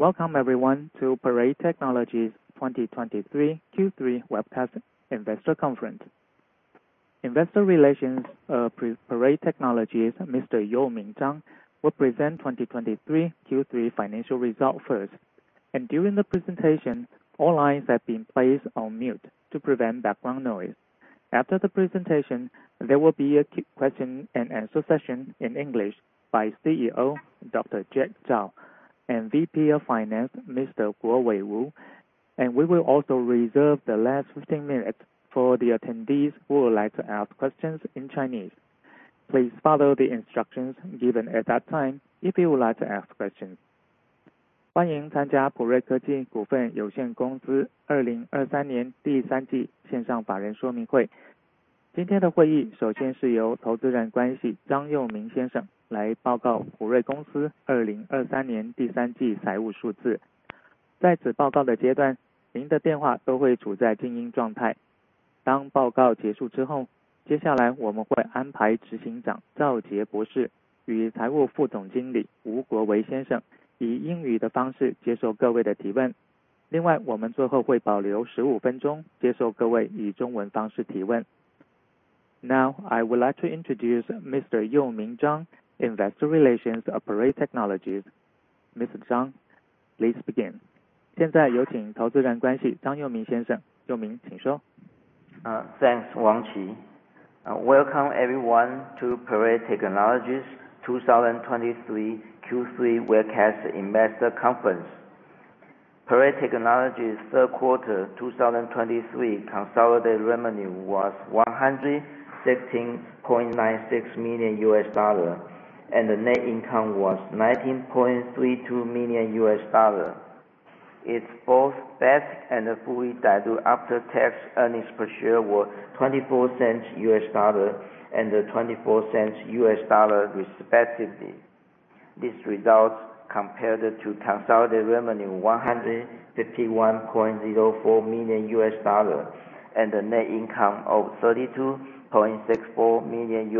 Welcome everyone to Parade Technologies 2023 Q3 webcast investor conference. Investor Relations, Parade Technologies, Mr. Yo-Ming Chang, will present 2023 Q3 financial results first. And during the presentation, all lines have been placed on mute to prevent background noise. After the presentation, there will be a question and answer session in English by CEO, Dr. Jack Zhao, and VP of Finance, Mr. Kuowei Wu. And we will also reserve the last 15 minutes for the attendees who would like to ask questions in Chinese. Please follow the instructions given at that time if you would like to ask questions. Welcome Parade Technologies 2023, third quarter, financial investor conference. Today's meeting will first be presented by Investor Relations, Mr. Yo-Ming Chang, to report Parade Technologies' third quarter 2023 financial results. During this presentation, all lines will be in mute mode. After the presentation, we will arrange for CEO Dr. Jack Zhao and Chief Financial Officer Mr. Kuowei Wu to take your questions in English. Finally, we will reserve 15 minutes to take your questions in Chinese. Now, I would like to introduce Mr. Yo-Ming Chang, Investor Relations of Parade Technologies. Mr. Chang, please begin. Thanks, Wang Qi. Welcome everyone to Parade Technologies 2023 Q3 webcast investor conference. Parade Technologies third quarter 2023 consolidated revenue was $116.96 million, and the net income was $19.32 million. It's both best, and the fully diluted after-tax earnings per share were $0.24 and $0.24, respectively. These results compared to consolidated revenue $151.04 million and a net income of $32.64 million,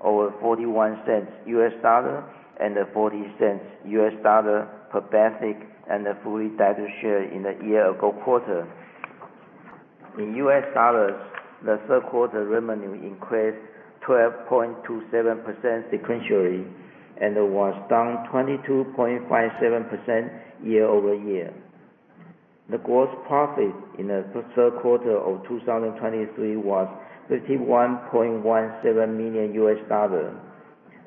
or $0.41 and $0.40 per basic, and a fully diluted share in the year ago quarter. In U.S. dollars, the third quarter revenue increased 12.27% sequentially and was down 22.57% year-over-year. The gross profit in the third quarter of 2023 was $31.17 million,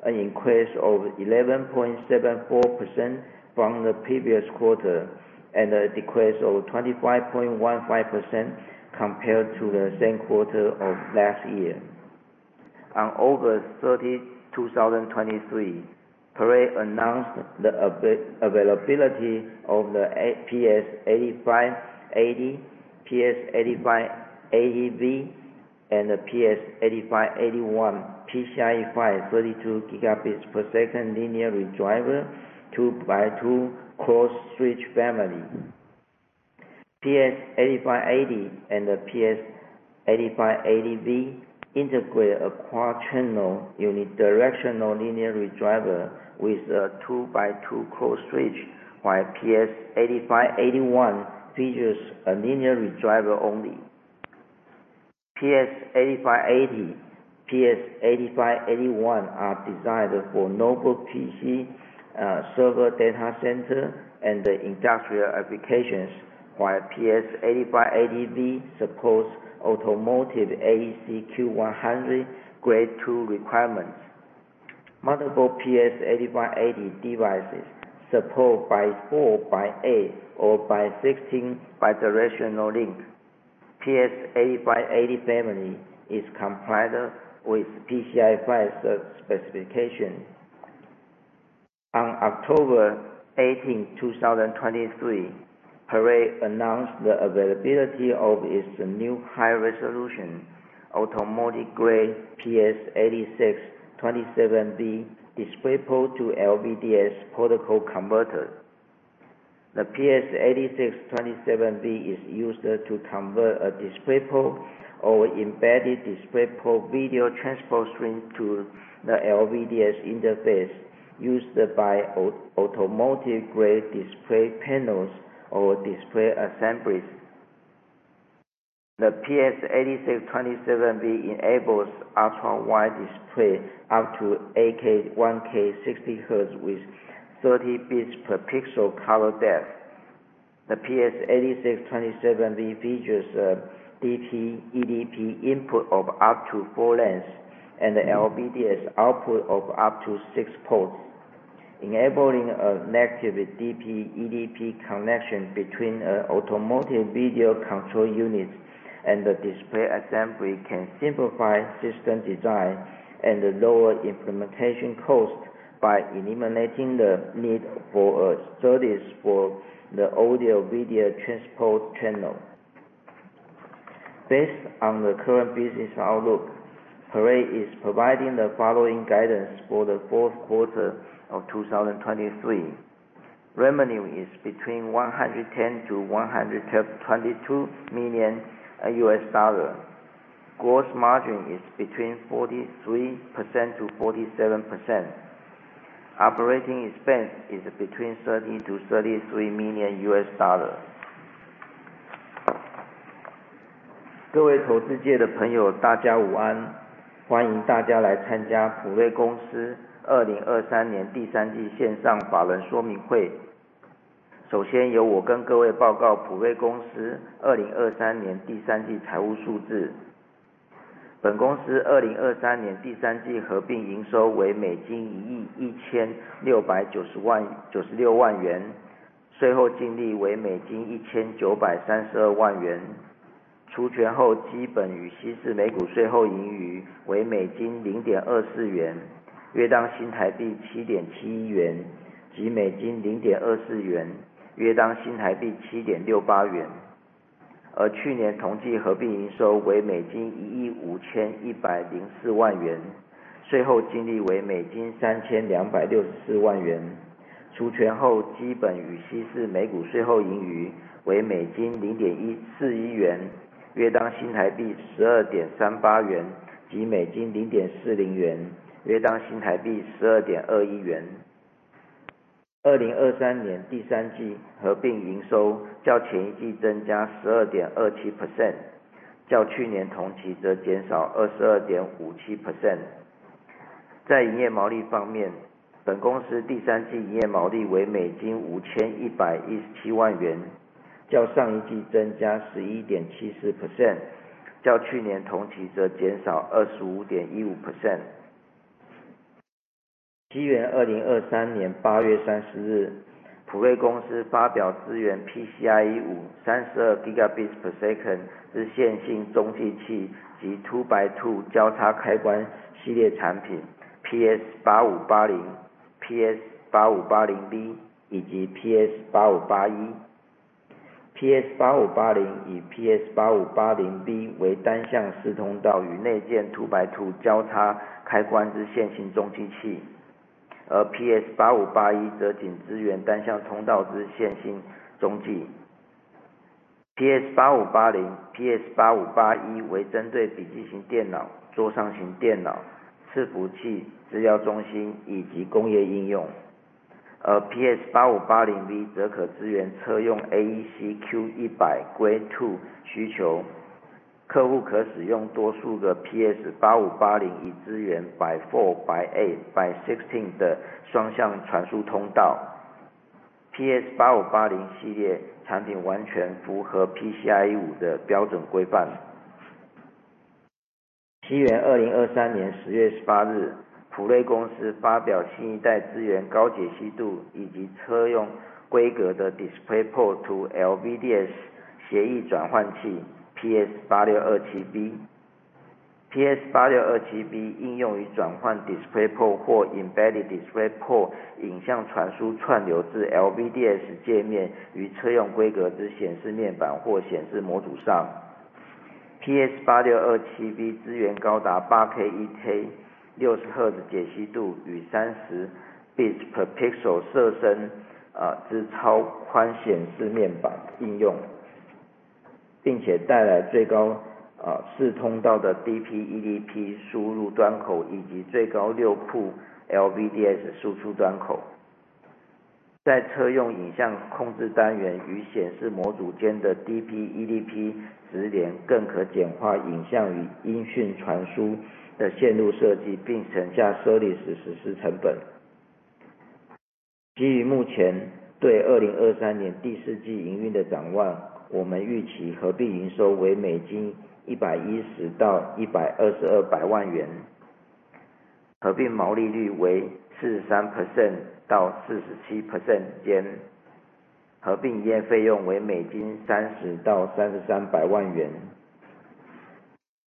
an increase of 11.74% from the previous quarter, and a decrease of 25.15% compared to the same quarter of last year. On August 30, 2023, Parade announced the availability of the PS8580, PS8580V, and the PS8581, PCIe 5 32 Gbps linear redriver, 2×2 cross switch family. PS8580 and the PS8580V integrate a quad-channel unidirectional linear redriver with a 2×2 cross switch, while PS8581 features a linear redriver only. PS8580, PS8581 are designed for notebook PC, server data center, and industrial applications, while PS8580V supports automotive AEC-Q100 Grade 2 requirements. Multiple PS8580 devices support 4x4, 8x8, or 16x16 bidirectional link. PS8580 family is compliant with PCIe 5 specification. On October 18, 2023, Parade announced the availability of its new high-resolution automotive-grade PS8627V DisplayPort to LVDS protocol converter. The PS8627V is used to convert a DisplayPort or embedded DisplayPort video transport stream to the LVDS interface, used by automotive-grade display panels or display assemblies. The PS8627V enables ultra-wide display up to 8K, 1K 60 Hz with 30 bits per pixel color depth. The PS8627V features a DP/eDP input of up to 4 lanes and an LVDS output of up to 6 ports. Enabling a native DP/eDP connection between automotive video control units and the display assembly can simplify system design and lower implementation costs by eliminating the need for a service for the audio-video transport channel. Based on the current business outlook, Parade is providing the following guidance for the fourth quarter of 2023. Revenue is between $110 million-$122 million. Gross margin is between 43%-47%. Operating expense is between $30 million-$33 million. 各位投资界的朋友，大家午安，欢迎大家来参加普瑞公司2023年第三季线上法人说明会。首先，由我跟各位报告普瑞公司2023年第三季财务数字。本公司2023年第三季合并营收为$116,960,000，税后净利为$19,320,000，除权后基本与稀释每股税后盈余为$0.24，约当TWD 7.7元，及$0.24，约当TWD 2023年8月30日，普瑞公司发表支援PCIe 5 32 Gbps之线性中继器，及2x2交叉开关系列产品，PS8580、PS8580V以及PS8581。PS8580与PS8580V为单向四通道与内建2x2交叉开关之线性中继器，而PS8581则仅支援单向通道之线性中继。PS8580、PS8581为针对笔记型电脑、桌上型电脑、伺服器、资料中心以及工业应用，而PS8580V则可支援车用AEC-Q100 Grade 2需求，客户可使用多数个PS8580以支援by4 by8 by16的双向传输通道。PS8580系列产品完全符合PCIe 5的标准规范。2023年10月18日，普瑞公司发表新一代支援高解析度以及车用规格的DisplayPort to LVDS协议转换器，PS8627V。PS8627V应用于转换DisplayPort或Embedded DisplayPort影像传输串流至LVDS界面，与车用规格之显示面板或显示模组上。PS8627V支援高达8K 1K 60Hz解析度与30 bits per 基于目前对2023年第四季营运的展望，我们预期合并营收为$110,000,000-$120,000,000，合并毛利率为43%-47%间，合并营业费用为$30,000,000-$33,000,000.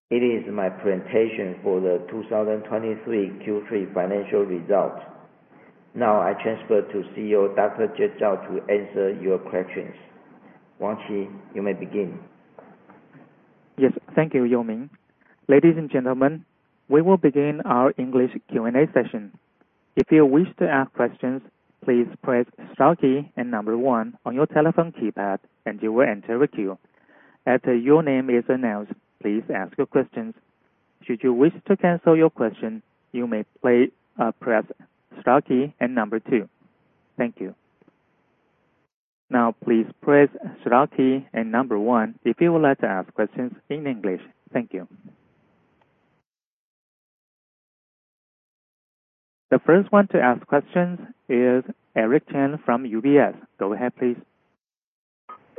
It is my presentation for the 2023 Q3 financial results. Now, I transfer to CEO Dr. Jack Zhao to answer your questions. Wang Qi, you may begin. Yes, thank you, Yo-Ming. Ladies and gentlemen, we will begin our English Q&A session. If you wish to ask questions, please press star key and number one on your telephone keypad, and you will enter a queue. After your name is announced, please ask your questions. Should you wish to cancel your question, you may press star key and number two. Thank you. Now, please press star key and number one if you would like to ask questions in English. Thank you. The first one to ask questions is Eric Chen from UBS. Go ahead, please.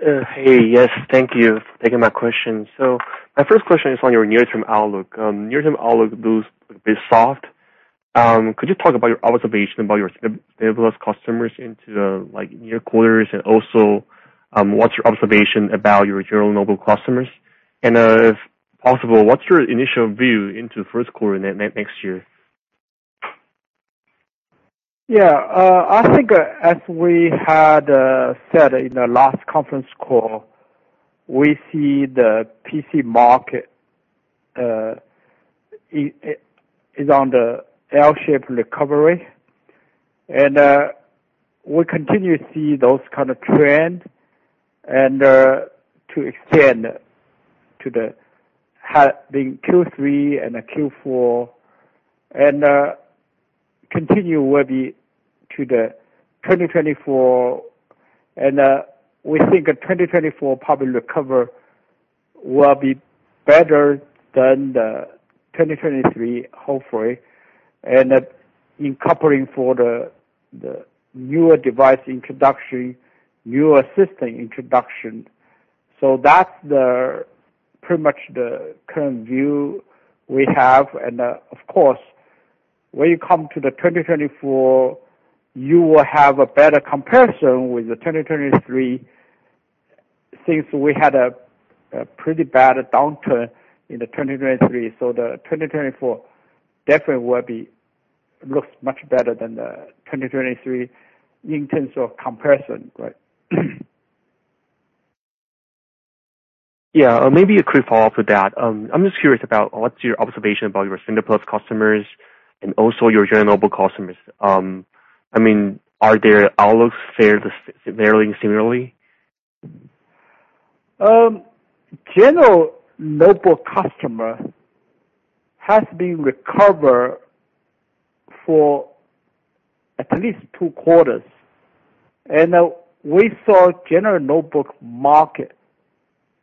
Hey, yes, thank you for taking my question. So my first question is on your near-term outlook. Near-term outlook looks a bit soft. Could you talk about your observation about your stable customers into like near quarters? And also, what's your observation about your tier one global customers? And, if possible, what's your initial view into the first quarter next year? Yeah. I think as we had said in the last conference call, we see the PC market is on the L-shaped recovery. And, we continue to see those kind of trends and, to extend to the half in Q3 and Q4 and, continue will be to the 2024. And, we think that 2024 probably recover will be better than the 2023, hopefully, and that in covering for the, the newer device introduction, newer system introduction. So that's pretty much the current view we have. And, of course, when you come to the 2024, you will have a better comparison with the 2023, since we had a, a pretty bad downturn in the 2023. So the 2024 definitely will be, looks much better than the 2023 in terms of comparison, right? Yeah. Maybe a quick follow-up with that. I'm just curious about what's your observation about your standard plus customers and also your general notebook customers. I mean, are there outlooks fair, varying similarly? General notebook customer has been recovered for at least two quarters, and we saw general notebook market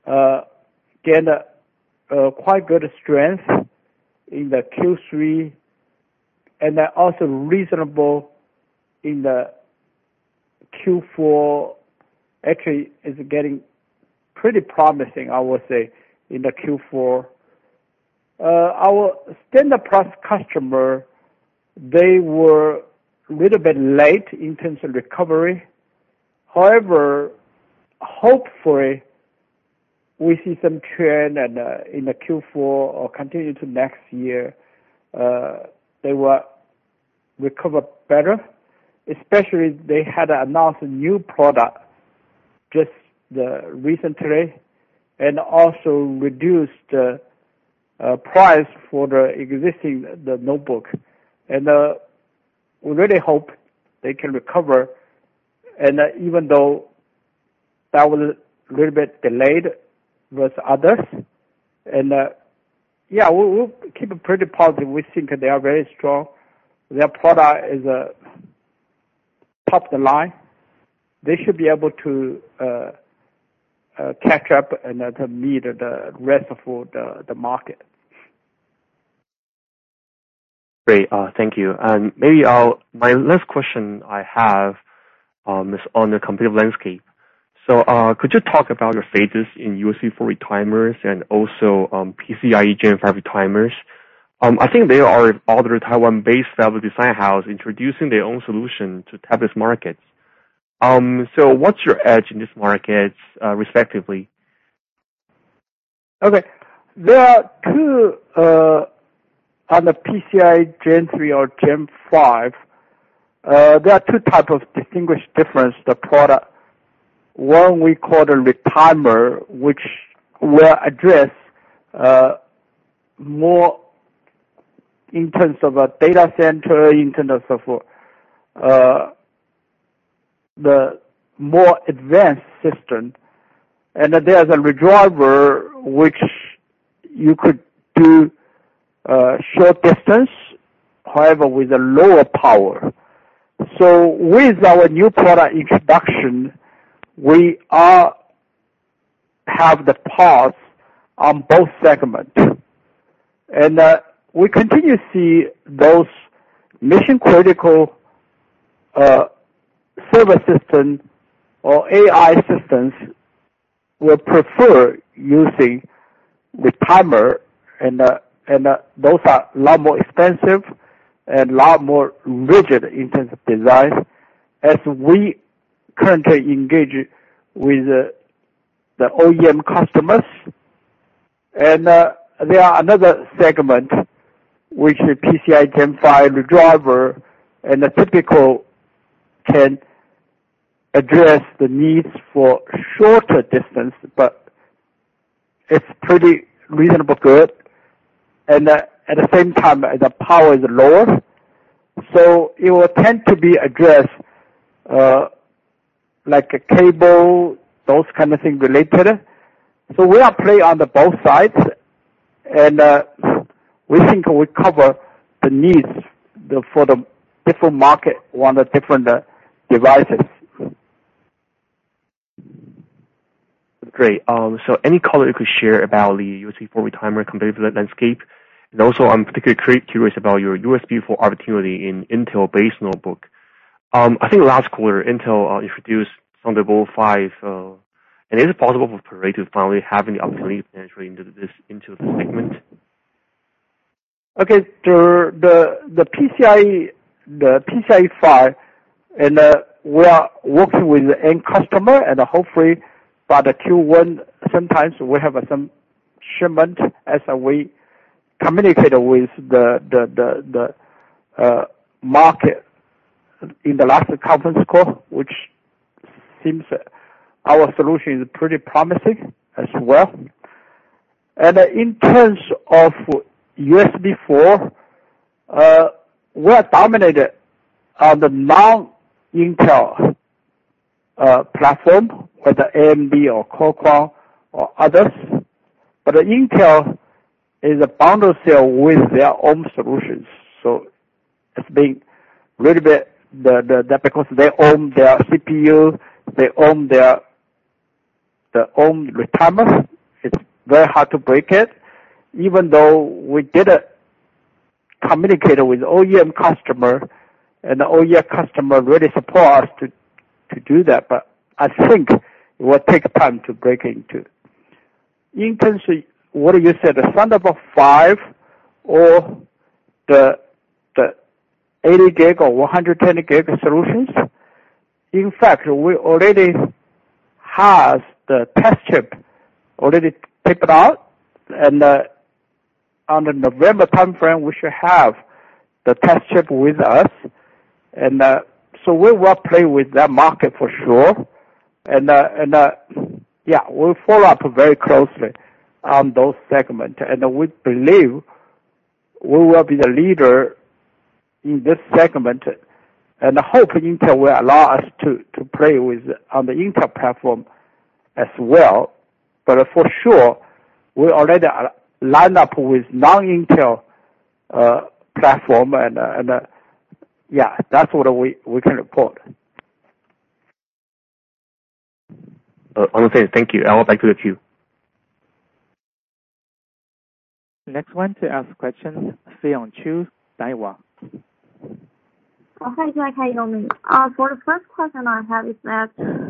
gain a quite good strength in the Q3 and then also reasonable in the Q4. Actually, it's getting pretty promising, I would say, in the Q4. Our standard plus customer, they were a little bit late in terms of recovery. However, hopefully we see some trend and in the Q4 or continue to next year, they will recover better, especially they had announced a new product just recently and also reduced the price for the existing, the notebook. And we really hope they can recover. And even though that was a little bit delayed with others and yeah, we'll keep it pretty positive. We think they are very strong. Their product is top of the line. They should be able to catch up and to meet the rest of all the market. Great. Thank you. And maybe my last question I have is on the competitive landscape. So, could you talk about your place in USB4 retimers and also PCIe Gen 5 retimers? I think there are all these Taiwan-based fabless design houses introducing their own solution to these markets. So what's your edge in these markets, respectively? Okay. There are two, on the PCIe Gen 3 or Gen 5, there are two type of distinguished difference. The product, one we call the retimer, which will address, more in terms of a data center, in terms of, the more advanced system. And there's a redriver, which you could do, short distance, however, with a lower power. So with our new product introduction, we are have the paths on both segments. And, we continue to see those mission critical, server system or AI systems will prefer using retimer, and, and, those are a lot more expensive and a lot more rigid in terms of design, as we currently engage with, the OEM customers. there are another segment, which is PCIe Gen 5 driver, and the typical can address the needs for shorter distance, but it's pretty reasonable good, and at the same time, the power is lower. So it will tend to be addressed, like a cable, those kind of things related. So we are playing on the both sides, and we think we cover the needs for the different market on the different devices. Great. Any color you could share about the USB4 retimer competitive landscape? Also I'm particularly curious about your USB4 opportunity in Intel-based notebook. I think last quarter Intel introduced Thunderbolt 5. Is it possible for Parade to finally have any opportunity financially into this, into the segment? Okay. The PCIe 5, and we are working with the end customer and hopefully by the Q1, sometimes we have some shipment as we communicate with the market in the last conference call, which seems our solution is pretty promising as well. And in terms of USB4, we are dominated on the non-Intel platform, whether AMD or Qualcomm or others, but Intel is a bundle sale with their own solutions. So it's been little bit that because they own their CPU, they own their own retimer, it's very hard to break it. Even though we did communicate with OEM customer, and OEM customer really support us to do that, but I think it will take time to break into. In terms of what you said, the Thunderbolt 5 or the 80 gig or 120 gig solutions, in fact, we already have the test chip already taped out, and on the November time frame, we should have the test chip with us. And so we will play with that market for sure. And yeah, we'll follow up very closely on those segment, and we believe we will be the leader in this segment, and I hope Intel will allow us to play with on the Intel platform as well. But for sure, we already are lined up with non-Intel platform. And yeah, that's what we can report. Okay. Thank you. I will back to the queue. Next one to ask questions, Seon Chu, Daiwa. Hi, Jack. How you doing? For the first question I have is that,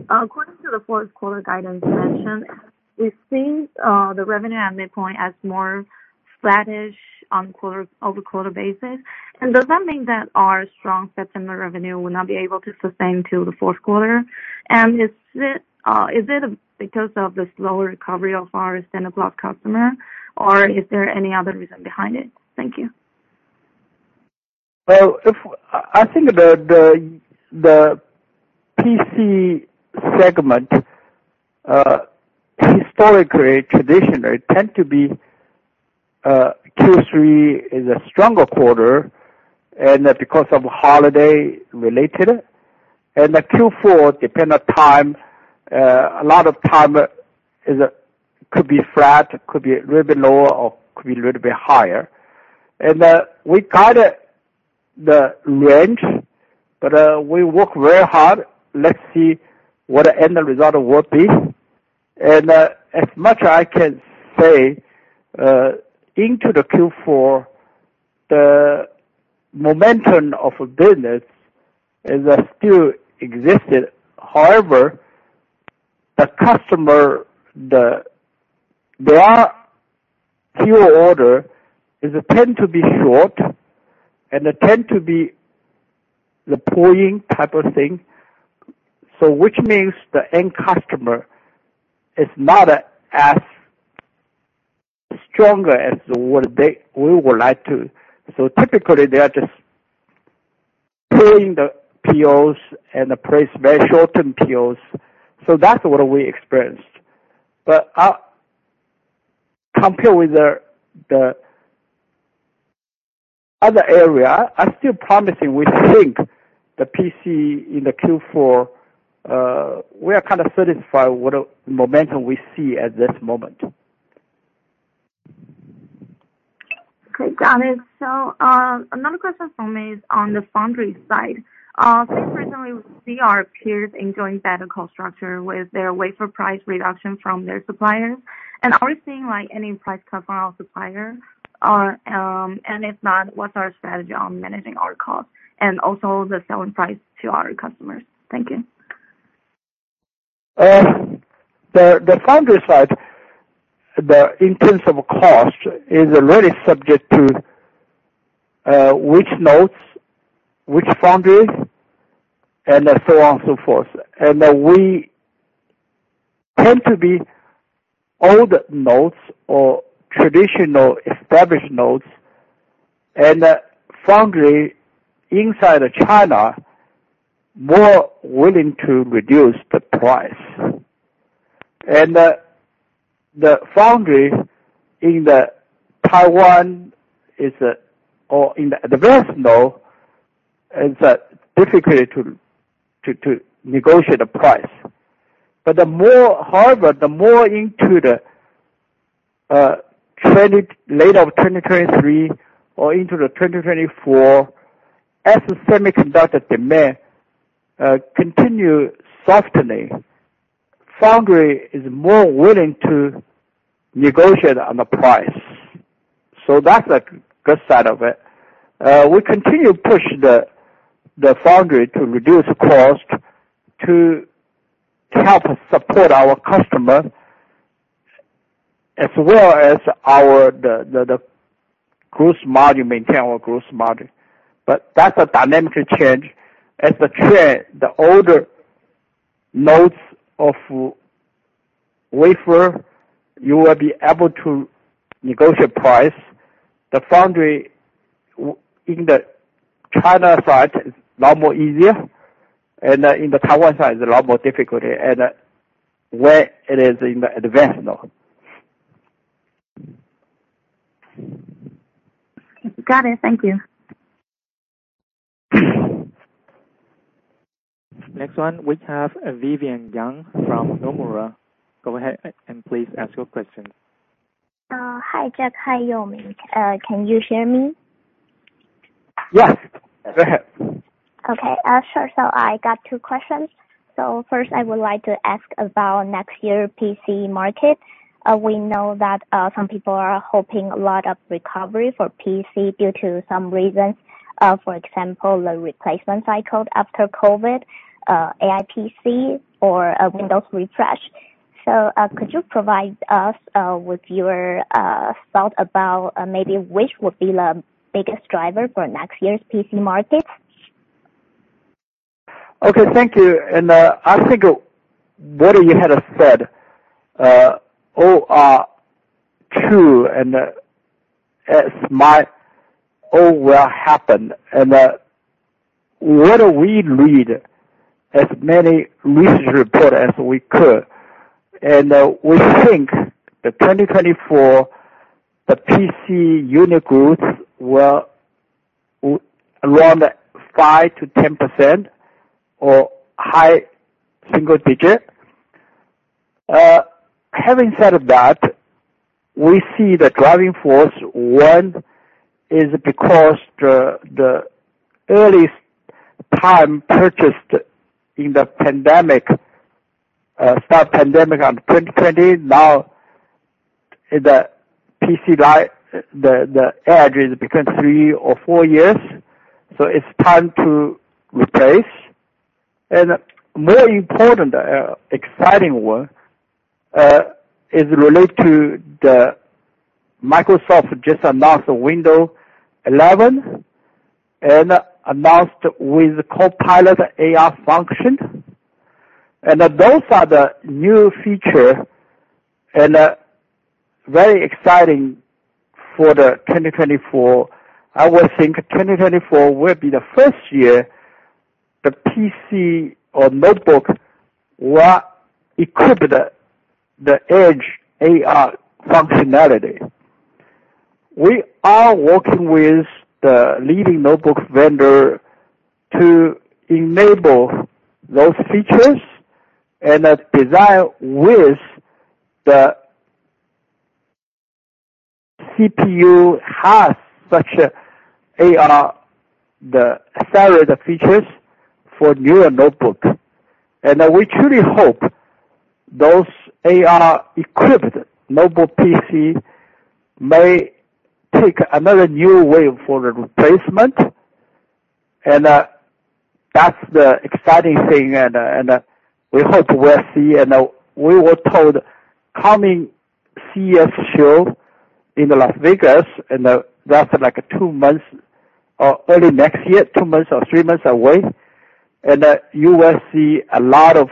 according to the fourth quarter guidance mentioned, it seems the revenue at midpoint is more flattish on quarter-over-quarter basis. Does that mean that our strong September revenue will not be able to sustain till the fourth quarter? Is it because of the slower recovery of our standard block customer, or is there any other reason behind it? Thank you. Well, I think the PC segment historically, traditionally tend to be Q3 is a stronger quarter, and because of holiday related. And the Q4 dependent time, a lot of time could be flat, could be a little bit lower or could be a little bit higher. And we guided the range, but we work very hard. Let's see what the end result will be. And as much I can say into the Q4, the momentum of business is still existed. However, the customer, their PO order is tend to be short and they tend to be the pulling type of thing. So which means the end customer is not as stronger as what they, we would like to. So typically they are just pulling the POs and place very short-term POs. So that's what we experienced. But compared with the other area, are still promising. We think the PC in the Q4 we are kind of satisfied with the momentum we see at this moment. Okay, got it. So, another question for me is on the foundry side. Recently we see our peers enjoying better cost structure with their wafer price reduction from their suppliers. And are we seeing, like, any price cut from our supplier? Or, and if not, what's our strategy on managing our cost and also the selling price to our customers? Thank you. The foundry side, the intensive cost is really subject to which nodes, which foundries, and so on and so forth. And we tend to be old nodes or traditional established nodes, and foundry inside China more willing to reduce the price. And the foundry in Taiwan, or in the advanced node, is difficult to negotiate the price. But the more, however, the more into the late 2023 or into 2024, as semiconductor demand continue softening, foundry is more willing to negotiate on the price. So that's a good side of it. We continue to push the foundry to reduce cost, to help support our customer as well as our gross margin, maintain our gross margin. But that's a dynamic change. As the trend, the older nodes of wafer, you will be able to negotiate price. The foundry in the China side is a lot more easier, and in the Taiwan side is a lot more difficulty and where it is in the advanced now. Got it. Thank you. Next one, we have Vivian Yang from Nomura. Go ahead and please ask your question. Hi, Jack. Hi, Yo-Ming. Can you hear me? Yes. Go ahead. Okay, sure. I got two questions. First, I would like to ask about next year PC market. We know that some people are hoping a lot of recovery for PC due to some reasons. For example, the replacement cycle after COVID, AI PC or a Windows refresh. Could you provide us with your thought about maybe which would be the biggest driver for next year's PC market? Okay. Thank you. And I think what you had said all are true, and it might all well happen. And what we read as many research report as we could, and we think the 2024, the PC unit growth will around 5%-10% or high single digit. Having said that, we see the driving force, one, is because the early time purchased in the pandemic, start pandemic on 2020, now the PC life, the edge has become three or four years, so it's time to replace. And more important, exciting one, is related to the Microsoft just announced Windows 11 and announced with Copilot AI function. And those are the new feature and very exciting for the 2024. I would think 2024 will be the first year the PC or notebook will equip the Edge AI functionality. We are working with the leading notebook vendor to enable those features and design with the CPU has such a AI, the series of features for newer notebook. We truly hope those AI-equipped notebook PC may take another new wave for the replacement. That's the exciting thing, and we hope we'll see. We were told coming CES show in Las Vegas, and that's like two months or early next year, two months or three months away, and you will see a lot of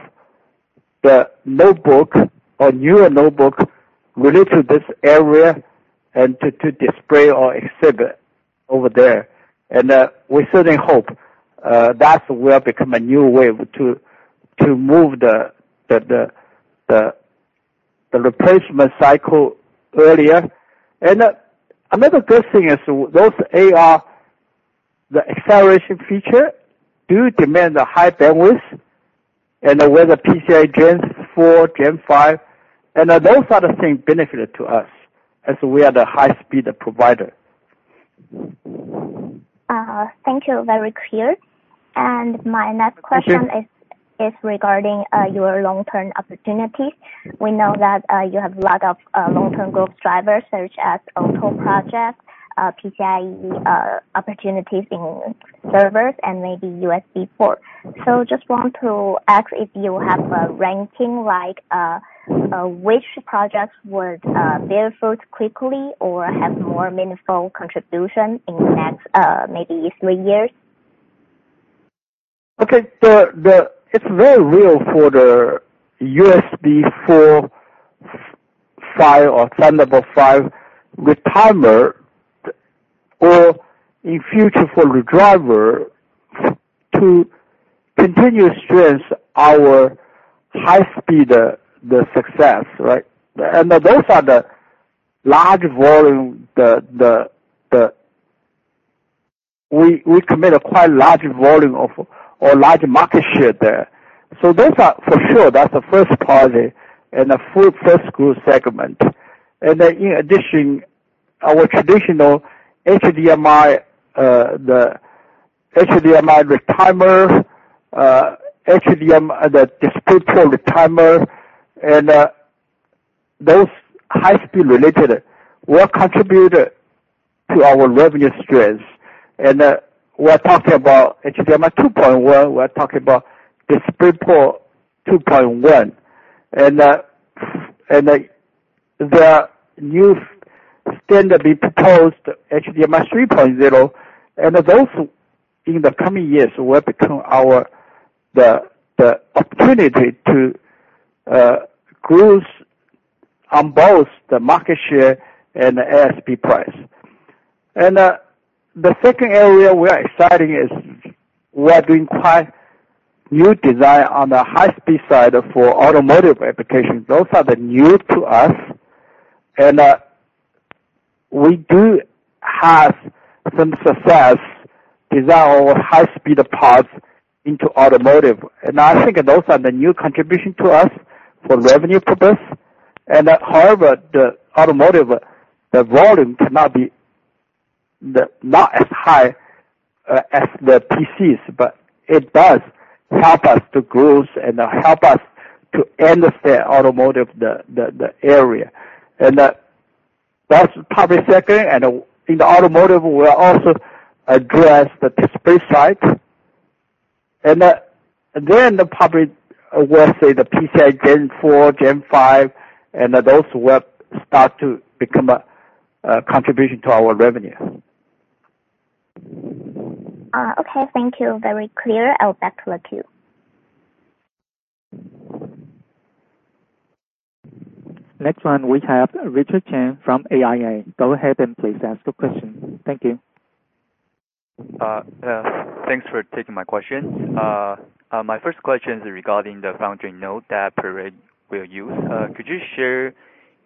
the notebook or newer notebook related to this area and to display or exhibit over there. We certainly hope that will become a new way to move the replacement cycle earlier. And another good thing is those AI, the acceleration feature do demand a high bandwidth, and with PCIe Gen 4, Gen 5, and those are the same benefit to us as we are the high-speed provider. Thank you. Very clear. And my next question. Thank you. This is regarding your long-term opportunities. We know that you have a lot of long-term growth drivers, such as auto projects, PCIe opportunities in servers and maybe USB port. So just want to ask if you have a ranking, like, which projects would bear fruit quickly or have more meaningful contribution in the next maybe three years? Okay. It's very real for the USB4 5 or standard level 5 retimer or in future for the driver to continue strength our high speed, the success, right? And those are the large volume, we commit a quite large volume or large market share there. So those are for sure, that's the first party and the first growth segment. And then in addition, our traditional HDMI, the HDMI retimer, HDM, the display retimer, and those high speed related will contribute to our revenue strength. And we're talking about HDMI 2.1, we're talking about DisplayPort 2.1. And the new standard be proposed, HDMI 3.0, and those in the coming years will become our the opportunity to grow on both the market share and the ASP price. The second area we are exciting is we are doing quite new design on the high speed side for automotive application. Those are the new to us, and we do have some success design our high speed parts into automotive. And I think those are the new contribution to us for revenue purpose. And however, the automotive, the volume cannot be, not as high as the PCs, but it does help us to grow and help us to understand automotive, the area. And that's probably second. And in the automotive, we'll also address the space side. And then the public will say the PCIe Gen 4, Gen 5, and those will start to become a contribution to our revenue. Okay, thank you. Very clear. I'll back to the queue. Next one, we have Richard Chen from AIA. Go ahead and please ask the question. Thank you. Thanks for taking my question. My first question is regarding the foundry node that Parade will use. Could you share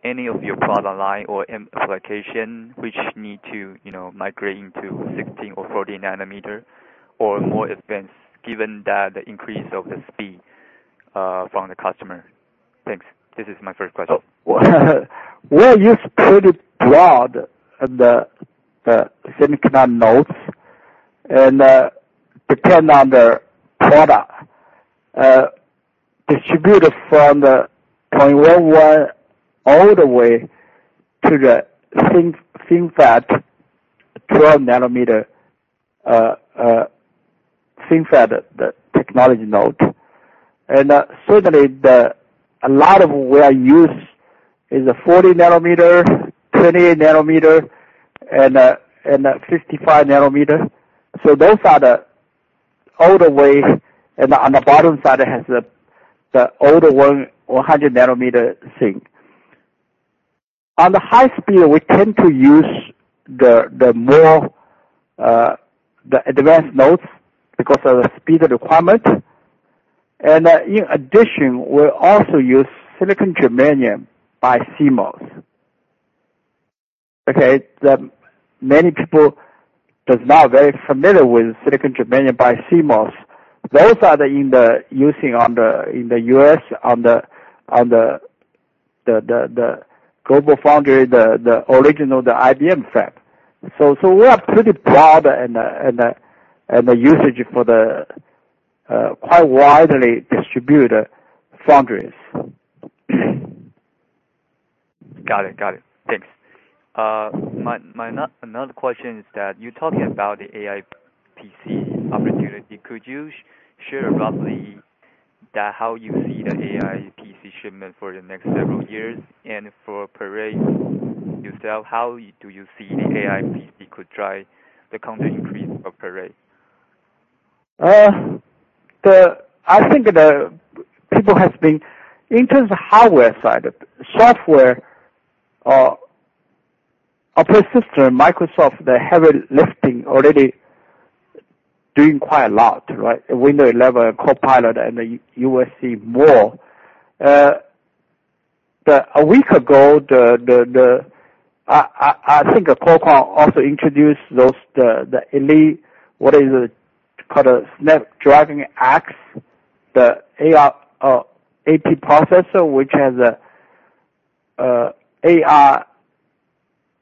any of your product line or application which need to, you know, migrate into 16 nm or 14 nm or more expense, given that the increase of the speed from the customer? Thanks. This is my first question. We use pretty broad the semiconductor nodes and depend on the product distributed from the 0.11 all the way to the thin flat 12 nm thin flat the technology node. And certainly the a lot of we are use is a 40 nm, 20 nm, and a 55 nm. So those are the all the way, and on the bottom side, it has the older 110 nm thing. On the high speed, we tend to use the more the advanced nodes because of the speed requirement. And in addition, we also use silicon germanium BiCMOS. Okay? The many people does not very familiar with silicon germanium BiCMOS. Those are in the using on the, in the U.S., on the, on the, the, the, the global foundry, the, the original, the IBM fab. We are pretty broad in the usage for the, quite widely distributed foundries. Got it. Got it. Thanks. Another question is that you're talking about the AI PC opportunity. Could you share roughly that, how you see the AI PC shipment for the next several years? And for Parade yourself, how do you see the AI PC could drive the company increase of Parade? I think the people has been, in terms of hardware side, software or operating system, Microsoft, the heavy lifting already doing quite a lot, right? Windows level, Copilot, and you will see more. A week ago, I think Qualcomm also introduced those, the elite, what is it called, Snapdragon X, the AI AP processor, which has a AI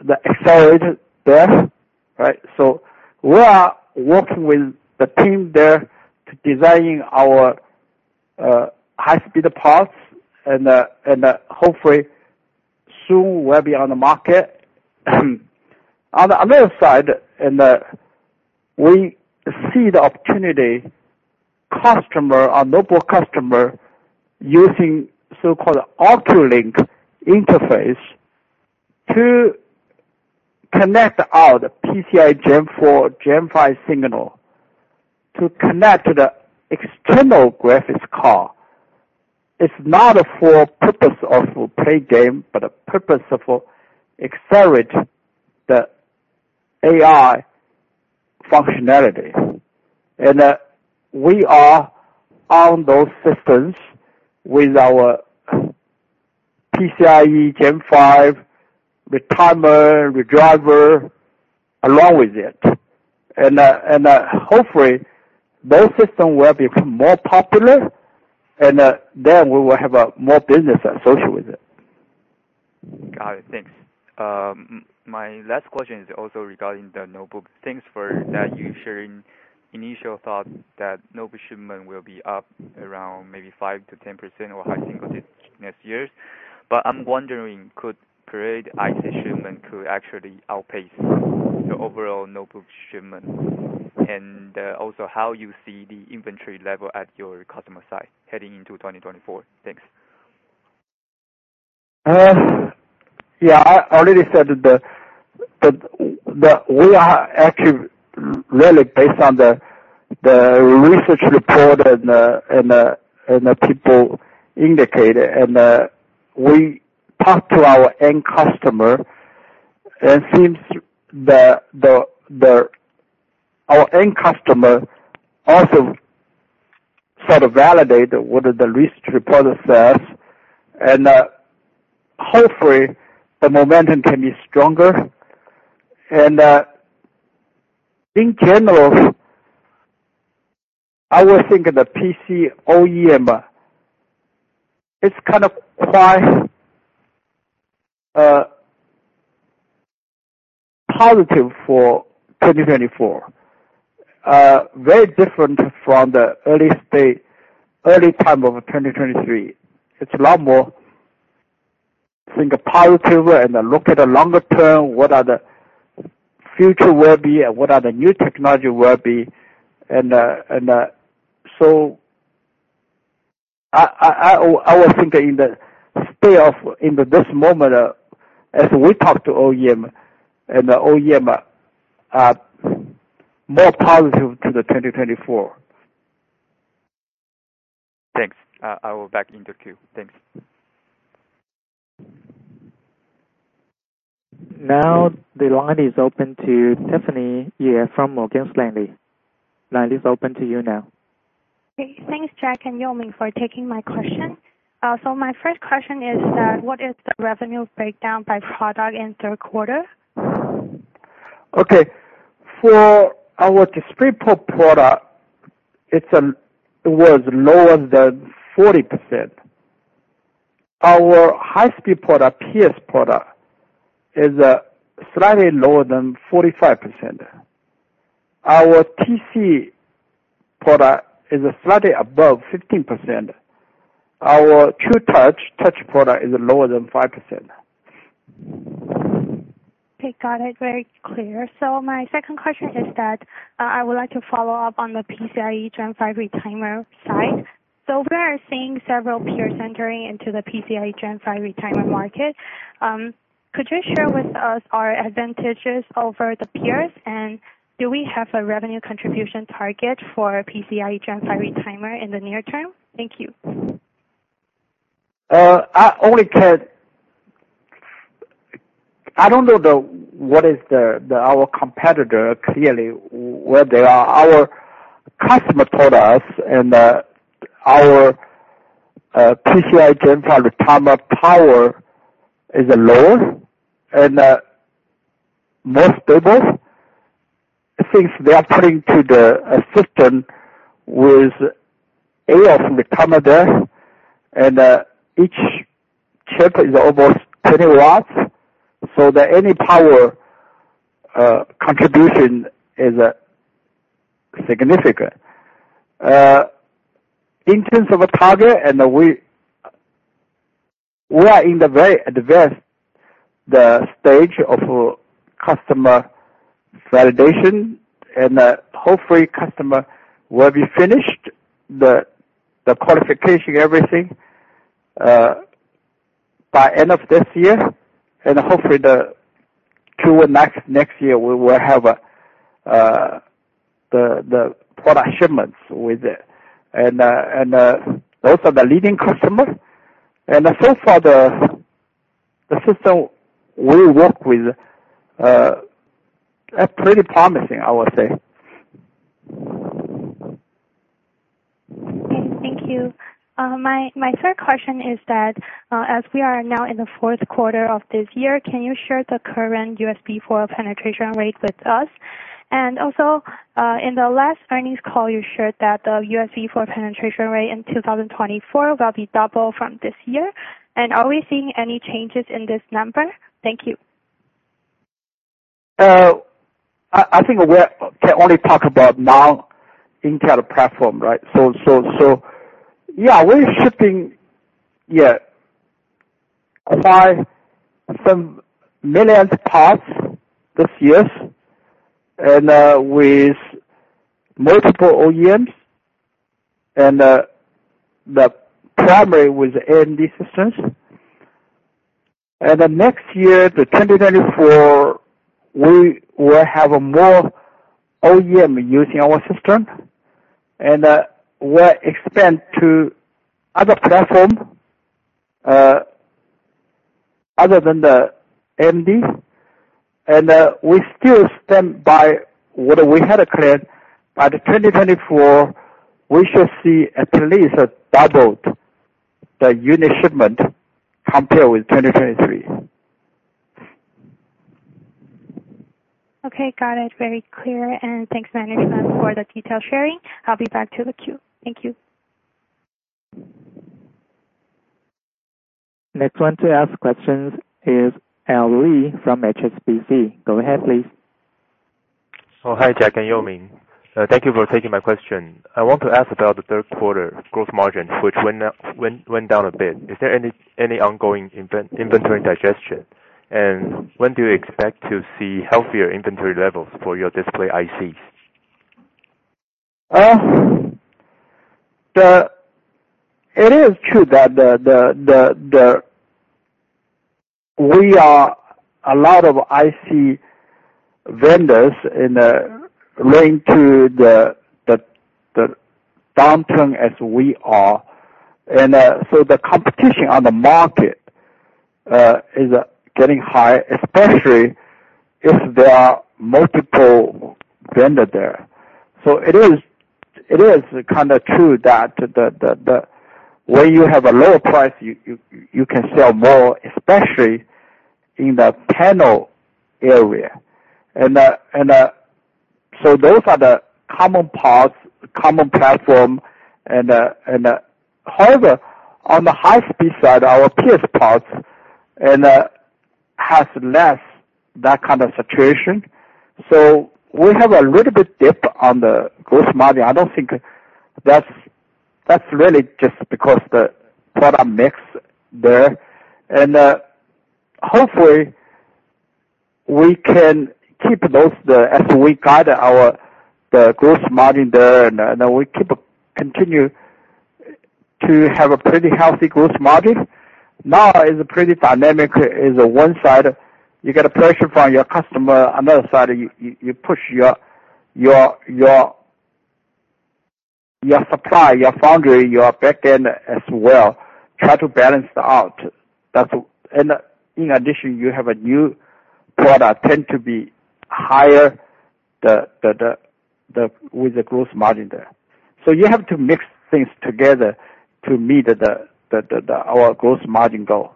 the accelerator there, right? So we are working with the team there to design our high speed parts, and hopefully soon will be on the market. On the other side, we see the opportunity, customer, our notebook customer, using so-called OCuLink interface to connect our PCIe Gen 4, Gen 5 signal to connect to the external graphics card. It's not for purpose of play game, but a purpose of accelerate the AI functionalities. We are on those systems with our PCIe Gen 5 retimer, redriver, along with it. Hopefully, those systems will become more popular, and then we will have more business associated with it. Got it. Thanks. My last question is also regarding the notebook. Thanks for that. You sharing initial thoughts that notebook shipment will be up around maybe 5%-10% or high single-digit next year. But I'm wondering, could Parade IC shipment could actually outpace the overall notebook shipment? And also, how you see the inventory level at your customer site heading into 2024? Thanks. But we are actually really based on the research report and the people indicated, and we talked to our end customer, and it seems that our end customer also sort of validate what the research report says, and hopefully the momentum can be stronger. In general, I would think the PC OEM, it's kind of quite positive for 2024. Very different from the early stage, early time of 2023. It's a lot more positive and look at the longer term, what the future will be and what the new technology will be. So I was thinking in this moment, as we talk to OEM and the OEM are more positive to 2024. Thanks. I will back in the queue. Thanks. Now, the line is open to Tiffany Yeh from Morgan Stanley. Line is open to you now. Okay. Thanks, Jack and Yo-Ming, for taking my question. So my first question is that, what is the revenue breakdown by product in third quarter? Okay. For our DisplayPort product, it was lower than 40%. Our high-speed product, PS product, is slightly lower than 45%. Our TC product is slightly above 15%. Our TrueTouch touch product is lower than 5%. Okay, got it. Very clear. So my second question is that, I would like to follow up on the PCIe Gen 5 retimer side. So we are seeing several peers entering into the PCIe Gen 5 retimer market. Could you share with us our advantages over the peers? And do we have a revenue contribution target for PCIe Gen 5 retimer in the near term? Thank you. I don't know the, what is the, the, our competitor, clearly, where they are. Our customer told us, and, our, PCIe Gen 5 retimer power is low and, more stable. Since they are putting to the system with AO from the [commander], and, each chip is almost 20 watts, so that any power, contribution is, significant. In terms of a target, and we, we are in the very advanced, the stage of customer validation, and, hopefully customer will be finished, the, the qualification, everything, by end of this year, and hopefully the Q next, next year, we will have a, the, the product shipments with it. And, and, those are the leading customers. And so far, the, the system we work with, that's pretty promising, I would say. Okay. Thank you. My third question is that, as we are now in the fourth quarter of this year, can you share the current USB4 penetration rate with us? And also, in the last earnings call, you shared that the USB4 penetration rate in 2024 will be double from this year. And are we seeing any changes in this number? Thank you. I think we can only talk about now Intel platform, right? So, yeah, we're shipping, yeah, quite some millions parts this year and with multiple OEMs and the primary with AMD systems. The next year, the 2024, we will have a more OEM using our system, and we're expand to other platforms, other than the AMD. We still stand by what we had declared. By the 2024, we should see at least doubled the unit shipment compared with 2023. Okay. Got it. Very clear, and thanks management for the detailed sharing. I'll be back to the queue. Thank you. Next one to ask questions is Al Lee from HSBC. Go ahead, please. Oh, hi, Jack and Yo-Ming. Thank you for taking my question. I want to ask about the third quarter gross margin, which went up, went down a bit. Is there any ongoing inventory digestion? And when do you expect to see healthier inventory levels for your display ICs? It is true that we are a lot of IC vendors linked to the downturn as we are. And, so the competition on the market is getting higher, especially if there are multiple vendor there. So it is kind of true that when you have a lower price, you can sell more, especially in the panel area. And, so those are the common parts, common platform. And, however, on the high speed side, our PS parts has less that kind of situation. So we have a little bit dip on the gross margin. I don't think that's really just because the product mix there. Hopefully we can keep those as we guide our gross margin there, and we continue to have a pretty healthy gross margin. Now is pretty dynamic. On one side, you get pressure from your customer, another side, you push your supply, your foundry, your backend as well, try to balance it out. That's, and in addition, you have a new product tend to be higher with the gross margin there. So you have to mix things together to meet our gross margin goal.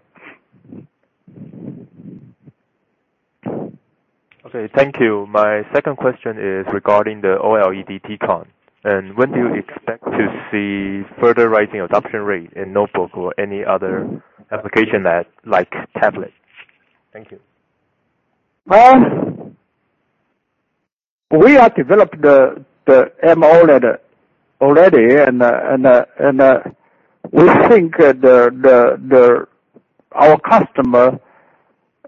Okay, thank you. My second question is regarding the OLED T-Con, and when do you expect to see further rising adoption rate in notebook or any other application that like tablet? Thank you. Well, we have developed the AMOLED already, and we think our customer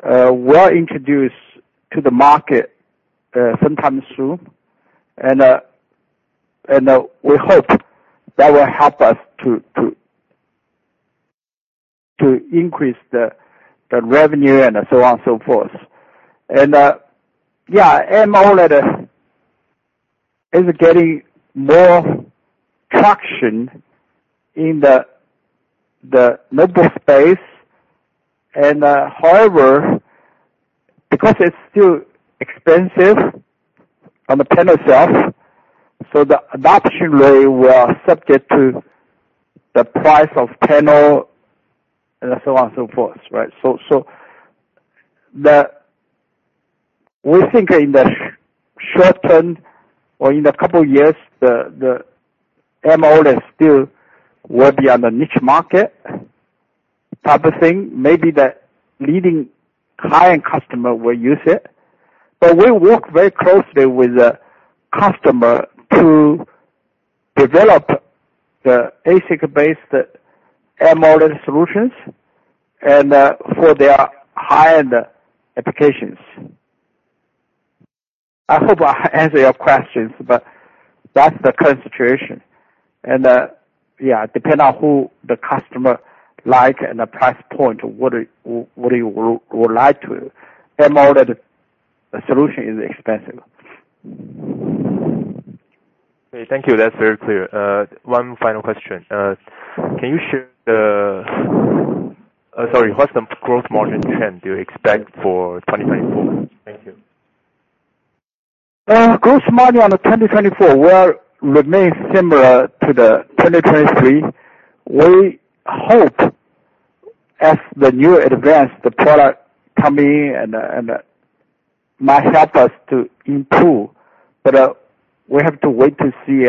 will introduce to the market sometime soon. And we hope that will help us to increase the revenue and so on and so forth. And yeah, AMOLED is getting more traction in the notebook space. And however, because it's still expensive on the panel itself, so the adoption rate will subject to the price of panel and so on and so forth, right? So we think in the short term or in a couple years, the AMOLED still will be on the niche market type of thing. Maybe the leading client customer will use it, but we work very closely with the customer to develop the ASIC-based AMOLED solutions and for their high-end applications. I hope I answered your questions, but that's the current situation. Yeah, depends on who the customer likes and the price point, what he would like to AMOLED solution is expensive. Okay, thank you. That's very clear. One final question. Can you share the, sorry, what's the gross margin trend you expect for 2024? Thank you. Gross margin on the 2024 will remain similar to the 2023. We hope as the new advanced, the product come in and might help us to improve, but we have to wait to see.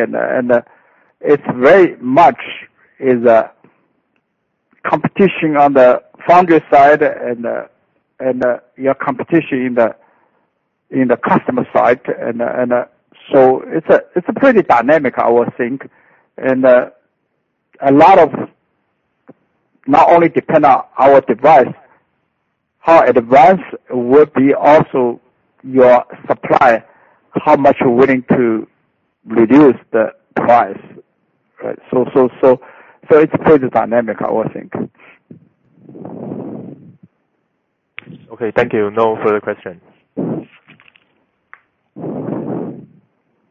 It's very much is a competition on the foundry side and yeah, competition in the customer side. So it's a pretty dynamic, I would think. A lot of not only depend on our device, how advanced will be also your supply, how much you're willing to reduce the price, right? So it's pretty dynamic, I would think. Okay, thank you. No further questions.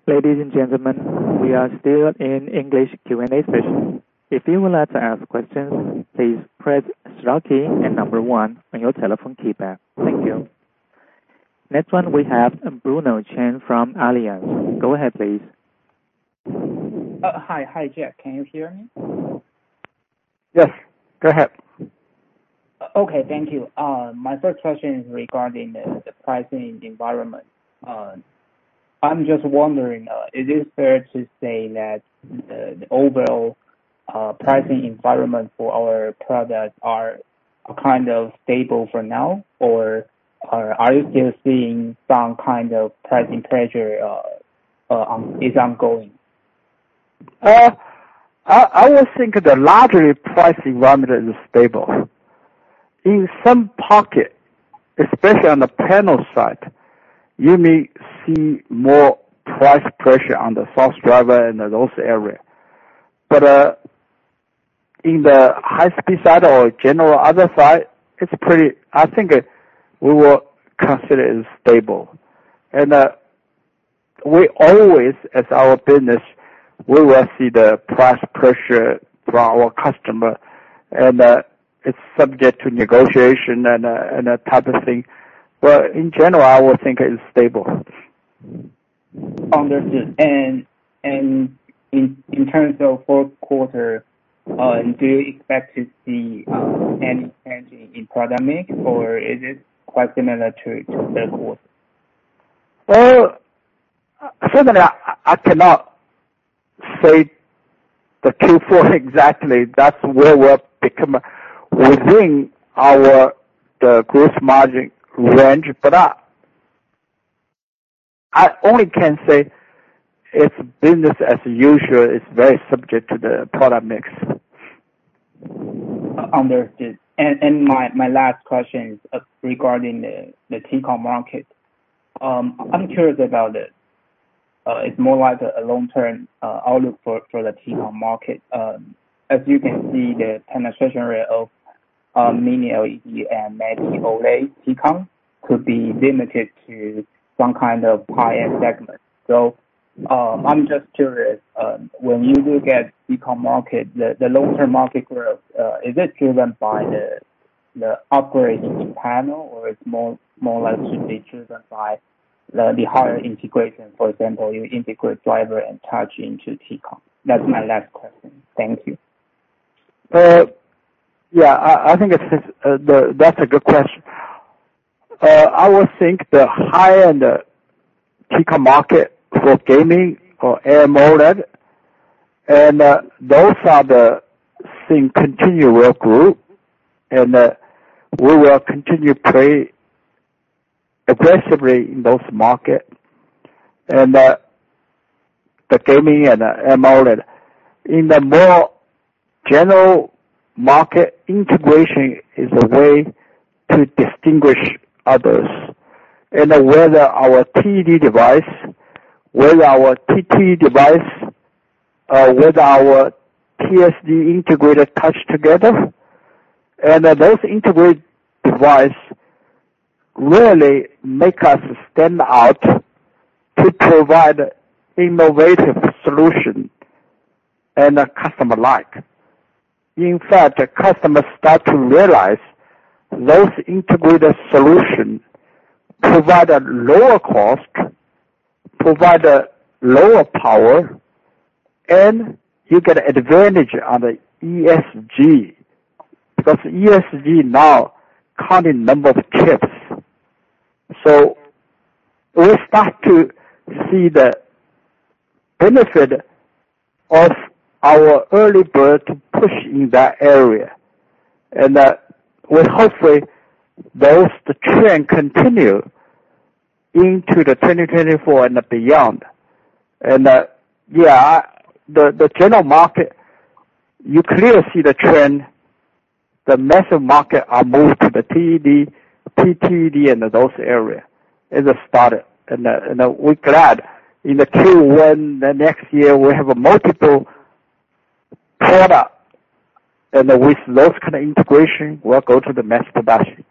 Ladies and gentlemen, we are still in English Q&A session. If you would like to ask questions, please press star key and number one on your telephone keypad. Thank you. Next one, we have Bruno Chen from Allianz. Go ahead, please. Hi. Hi, Jack, can you hear me? Yes, go ahead. Okay. Thank you. My first question is regarding the pricing environment. I'm just wondering, is it fair to say that the overall pricing environment for our products are kind of stable for now? Or are you still seeing some kind of pricing pressure, is ongoing? I would think the large price environment is stable. In some pockets, especially on the panel side, you may see more price pressure on the source driver in those areas. But in the high-speed side or general other side, it's pretty, I think we will consider it as stable. And we always, as our business, we will see the price pressure from our customer, and it's subject to negotiation and that type of thing. But in general, I would think it is stable. Understood. And in terms of fourth quarter, do you expect to see any change in product mix, or is it quite similar to the third quarter? Well, certainly, I cannot say the Q4 exactly. That's where we're become within our, the gross margin range, but I only can say it's business as usual. It's very subject to the product mix. Understood. My last question is regarding the T-Con market. I'm curious about it. It's more like a long-term outlook for the T-Con market. As you can see, the penetration rate of Mini LED and Mini OLED T-Con could be limited to some kind of high-end segment. So, I'm just curious, when you look at T-Con market, the long-term market growth, is it driven by the upgrade in panel, or it's more like to be driven by the higher integration? For example, you integrate driver and touch into T-Con. That's my last question. Thank you. Yeah, I think that's a good question. I would think the high-end T-Con market for gaming or AMOLED, and those are the thing continue will grow, and we will continue to play aggressively in those market, and the gaming and AMOLED. In the more general market, integration is a way to distinguish others, and whether our TED device, whether our TT device, with our TSD integrated touch together, and those integrated device really make us stand out to provide innovative solution, and the customer like. In fact, the customer start to realize those integrated solution provide a lower cost, provide a lower power, and you get advantage on the ESG, because ESG now counting number of chips. So we start to see the benefit of our early bird to push in that area, and we hopefully those trends continue into 2024 and beyond. And yeah, the general market, you clearly see the trend, the massive markets are moved to the TED, TTD, and those areas as a starter. And we're glad in the Q1, the next year, we have multiple products, and with those kind of integration, we'll go to the mass production.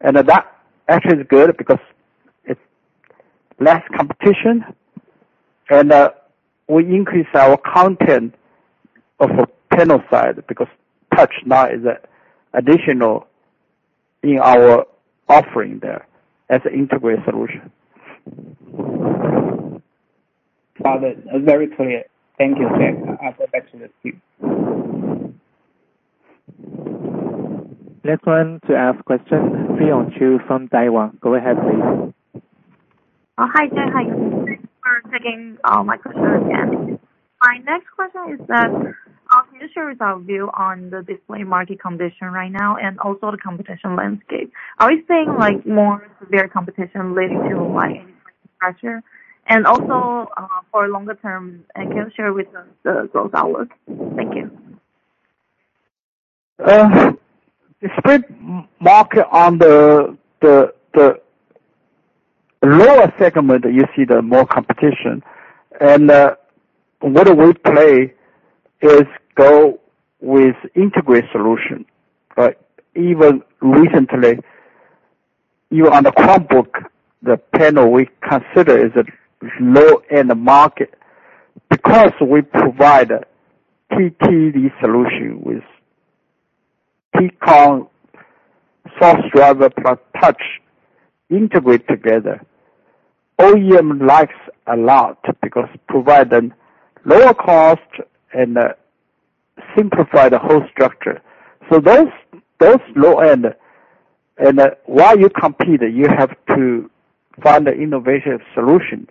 And that actually is good because it's less competition, and we increase our content of a panel side, because touch now is additional in our offering there as an integrated solution. Got it. Very clear. Thank you. I'll go back to the queue. Next one to ask question, Seon Chu from Daiwa. Go ahead, please. Hi, Jay. Hi, thanks for taking my question again. My next question is that can you share with our view on the display market condition right now and also the competition landscape? Are we seeing, like, more severe competition leading to margin pressure? And also, for longer term, can you share with us the growth outlook? Thank you. The split market on the lower segment, you see the more competition, and what we play is go with integrated solution. But even recently, you on the Chromebook, the panel we consider is a low-end market. Because we provide TTD solution with T-Con source driver plus touch integrate together, OEM likes a lot because providing lower cost and simplify the whole structure. So those low-end, and while you compete, you have to find an innovative solution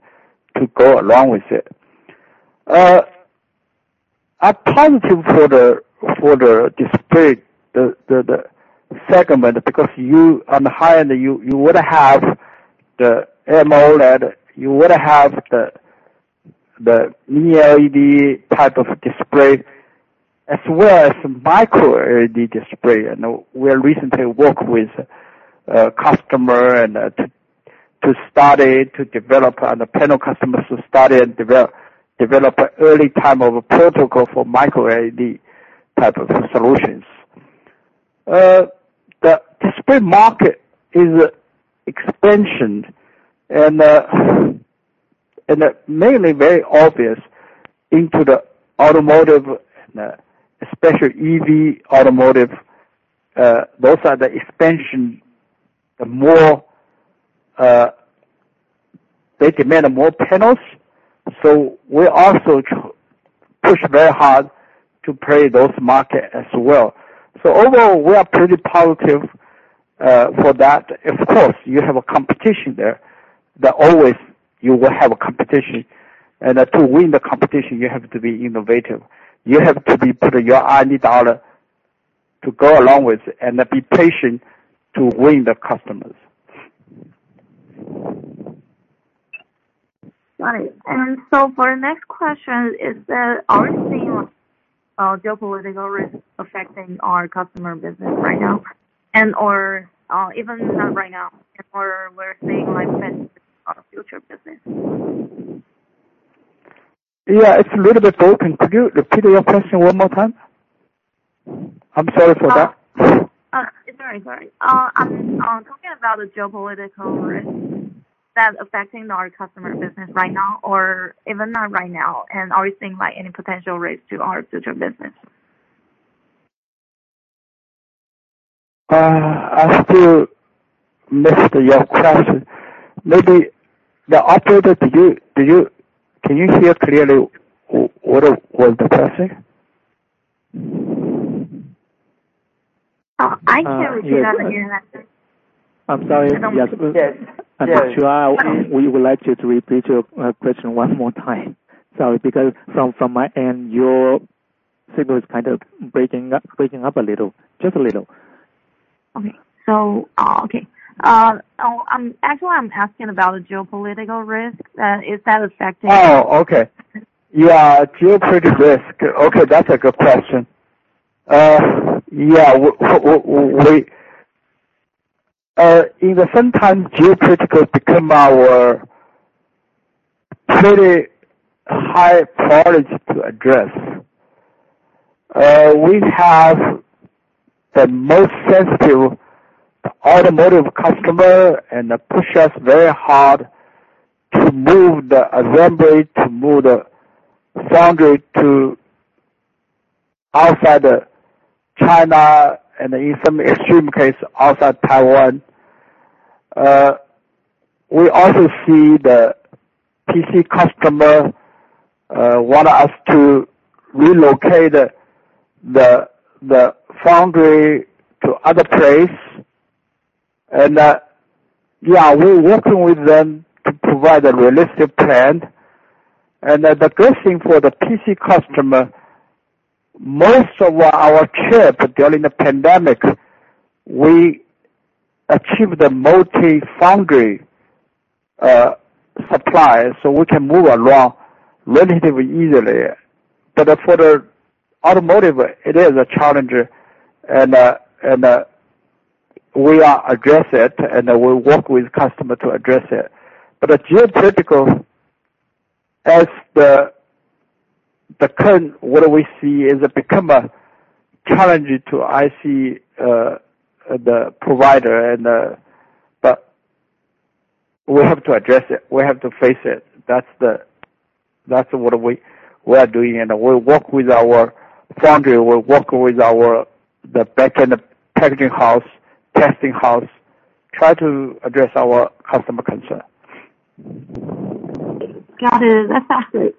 to go along with it. I'm positive for the display, the segment, because you on the high end, you would have the AMOLED, you would have the Mini LED type of display, as well as Micro LED display. We recently work with customer and to study to develop, and the panel customers to study and develop an early type of a protocol for Micro LED type of solutions. The display market is expanding and mainly very obvious into the automotive, especially EV automotive. Those are the expansion, the more they demand more panels, so we also push very hard to play those market as well. So overall, we are pretty positive for that. Of course, you have a competition there, that always you will have a competition, and to win the competition, you have to be innovative. You have to be putting your R&D dollar to go along with and be patient to win the customers. Got it. So for our next question, are seeing geopolitical risk affecting our customer business right now, and or even not right now, and we're seeing like that our future business? Yeah, it's a little bit broken. Could you repeat your question one more time? I'm sorry for that. It's all right. I'm talking about the geopolitical risk that affecting our customer business right now, or even not right now, and are we seeing like any potential risk to our future business? I still missed your question. Maybe the operator, do you, can you hear clearly what was the question? I can repeat it again. I'm sorry. Yes. I'm not sure. We would like you to repeat your question one more time. Sorry, because from my end, your signal is kind of breaking up a little, just a little. Okay. So, okay. Actually, I'm asking about the geopolitical risk. Is that affecting you? Oh, okay. Yeah, geopolitical risk. Okay, that's a good question. Yeah, we, in some time geopolitical become our pretty high priority to address. We have the most sensitive automotive customer, and they push us very hard to move the assembly, to move the foundry to outside China, and in some extreme case, outside Taiwan. We also see the PC customer want us to relocate the foundry to other place. And, yeah, we're working with them to provide a realistic plan. And the good thing for the PC customer, most of our chip during the pandemic, we achieved the multi-foundry supply, so we can move along relatively easily. But for the automotive, it is a challenge, and we are address it, and we work with customer to address it. But the geopolitical, as the current what we see, is becoming a challenge to IC providers, but we have to address it. We have to face it. That's what we are doing, and we work with our foundry, we work with the backend packaging house, testing house, trying to address our customer concern. Got it.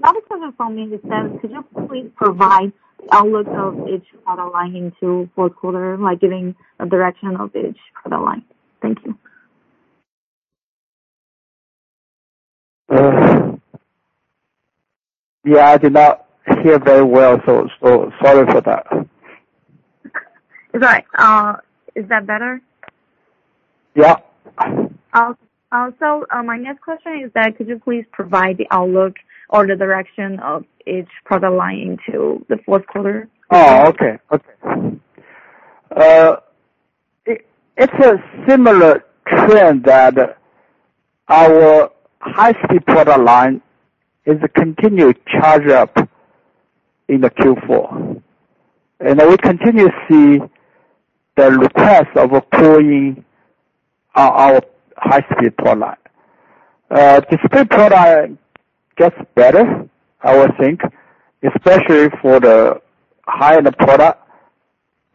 Another question from me is that, could you please provide outlook of each product line into fourth quarter by giving a direction of each product line? Thank you. Yeah, I did not hear very well, so, so sorry for that. It's all right. Is that better? Yeah. My next question is that could you please provide the outlook or the direction of each product line into the fourth quarter? Oh, okay. Okay. It's a similar trend that our high-speed product line is continued charge up in the Q4, and we continue to see the request of deploying our high-speed product line. Display product gets better, I would think, especially for the high-end product.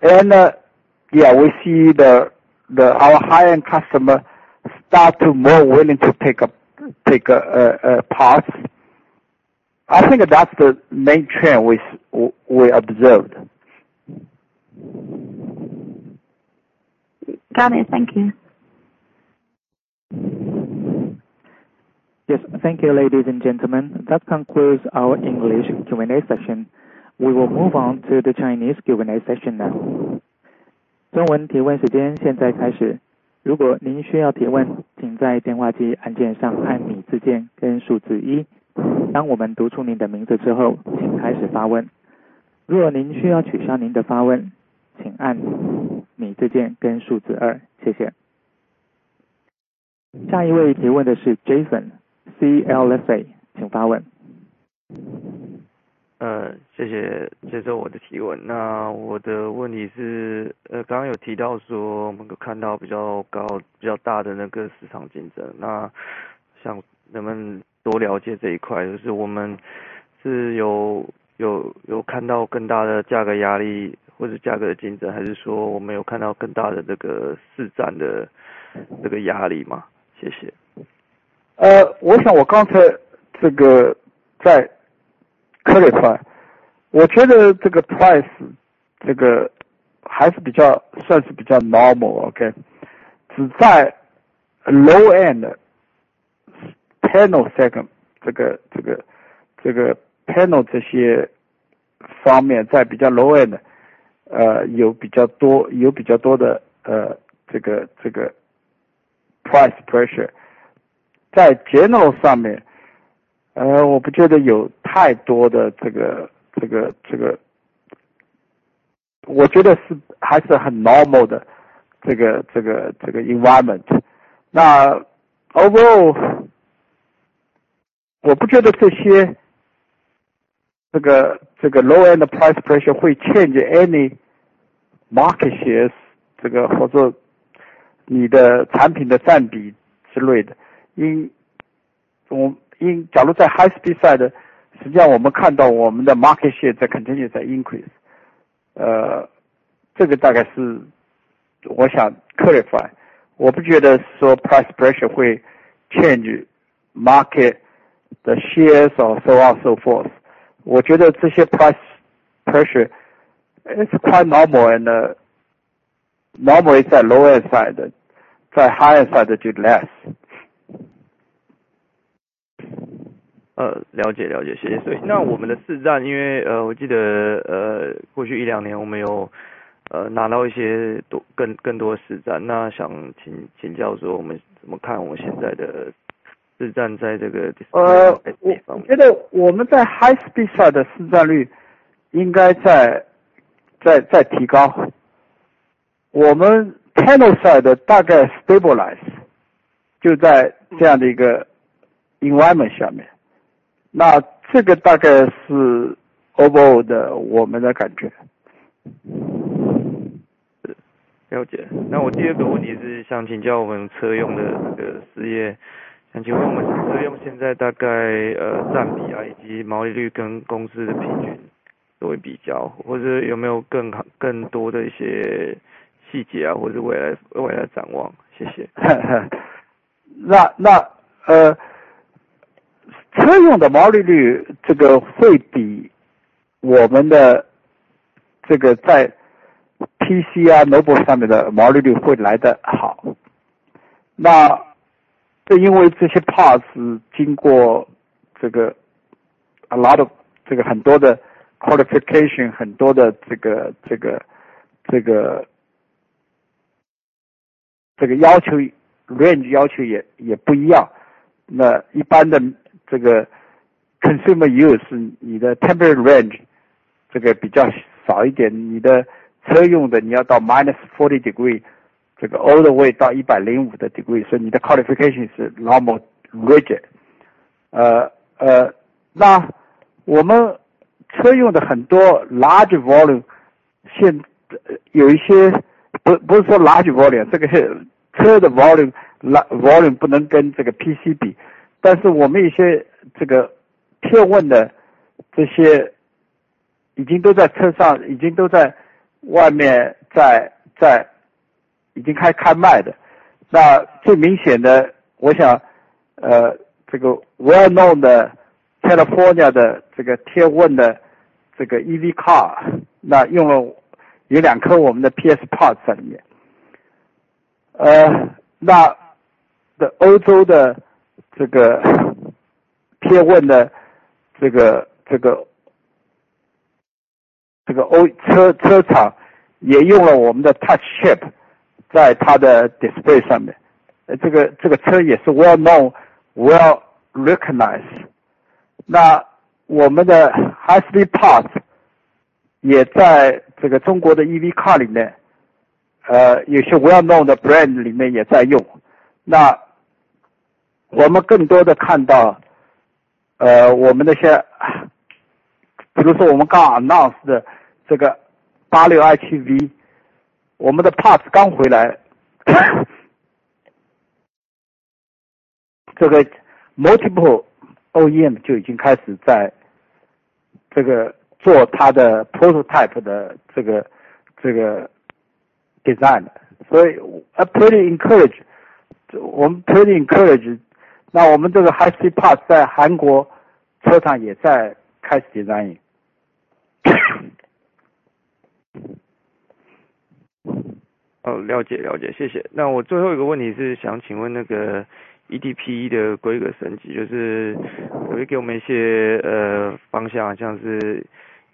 And, yeah, we see the our high-end customer start to more willing to take a pause. I think that's the main trend we observed. Got it. Thank you. Yes. Thank you, ladies and gentlemen. That concludes our English Q&A session. We will move on to the Chinese Q&A session now.中文提问时间现在开始，如果您需要提问，请在电话机按键上按米字键跟数字一。当我们读出您的名字之后，请开始发问。如果您需要取消您的发问，请按米字键跟数字二，谢谢。下一位提问的是 Jason, CLSA，请发问. 谢谢接受我的提问，那我的问题是……刚刚有提到说我们有看到比较高、比较大的那个市场竞争，那想能不能多了解这一块，就是我们是有、有、有看到更大的价格压力或是价格竞争，还是说我们有看到更大的这个市占的这个压力吗？谢谢. I think I just clarified this. I feel this price, this is still relatively considered relatively normal, OK, only in low-end panel segment, panel these aspects, in relatively low-end. There are relatively more, there are relatively more of price pressure. In general, I don't think there are too many of this -- I think it is still very normal, this environment. Overall, I don't think these low-end price pressure will change any market shares or your product's proportion or the like. Because -- because if on high speed side, actually we see our market share continuing to increase. This is probably what I want to clarify. I don't think price pressure will change market's shares or so on so forth. I think these price pressure is quite normal, and normal is on lower side, on higher side just less. 了解了解，谢谢。所以那我们的市占，因为，我记得，过去一两年我们有拿到一些，更多，更多的市占，那想请，请教说我们怎么看我们现在的市占在这个. 我觉得我们在 high speed side 的市占率应该在提高，我们 panel side 大概 stabilize，就在这样的一个 environment 下面，那这个大概是 overall 的我们的感觉. 了解。那我第二个问题是想请教我们车用的这个事业，想请问我们车用现在大概占比啊，以及毛利率跟公司的平均作为比较，或者有没有更好更多的有一些细节啊，或者是未来展望，谢谢. 车用的毛利率，这个会比我们的在PC啊，notebook上面的毛利率来得好，那就因为这些parts经过a lot of，很多的qualification，很多的要求，range要求也不一样。一般这个consumer use你的temporary range比较少一点，你的车用的，你要到-40 degrees Celsius，all the way到105 degrees Celsius，所以你的qualification是normal rigid。我们的车用有很多large volume，现在有一些不是，不是说large volume，这个是车的volume，volume不能跟PC比，但是我们一些特斯拉的，这些已经在车上，已经在外面，已经开卖的。最明显的，我想，这个well known的California的特斯拉的EV car，那用了有两颗我们的PS parts在里面。欧洲的特斯拉的，这个车厂也用了我们的touch chip，在它的display上面，这个车也是well known，well recognized。我们的high speed parts也在中国的EV car里面，有些well known的brand里面也在用。我们更多地看到，我们的一些，比如说我们刚announce的这个86 ICV，我们的parts刚回来这个multiple OEM就已经开始在这个做它的prototype的这个design，所以pretty encourage，我们pretty encourage。我们的high speed parts在韩国车上也在开始design. ...哦，了解，了解，谢谢。那我最后一个问题是想请问那个eDP的规格升级，就是可不可以给我们一些方向，像是eDP 1.4或者是eDP 2.0的这个solution回来，这个对于我们像是ASP啊，或者是毛利率，或者是新产品也发表一个，动能之类的，谢谢. 我们的 eDP 1.5 的 solution 已经开始 introduce 在市场上，那 OEM 已经开始在使用，那明年大概，明年就会有很多的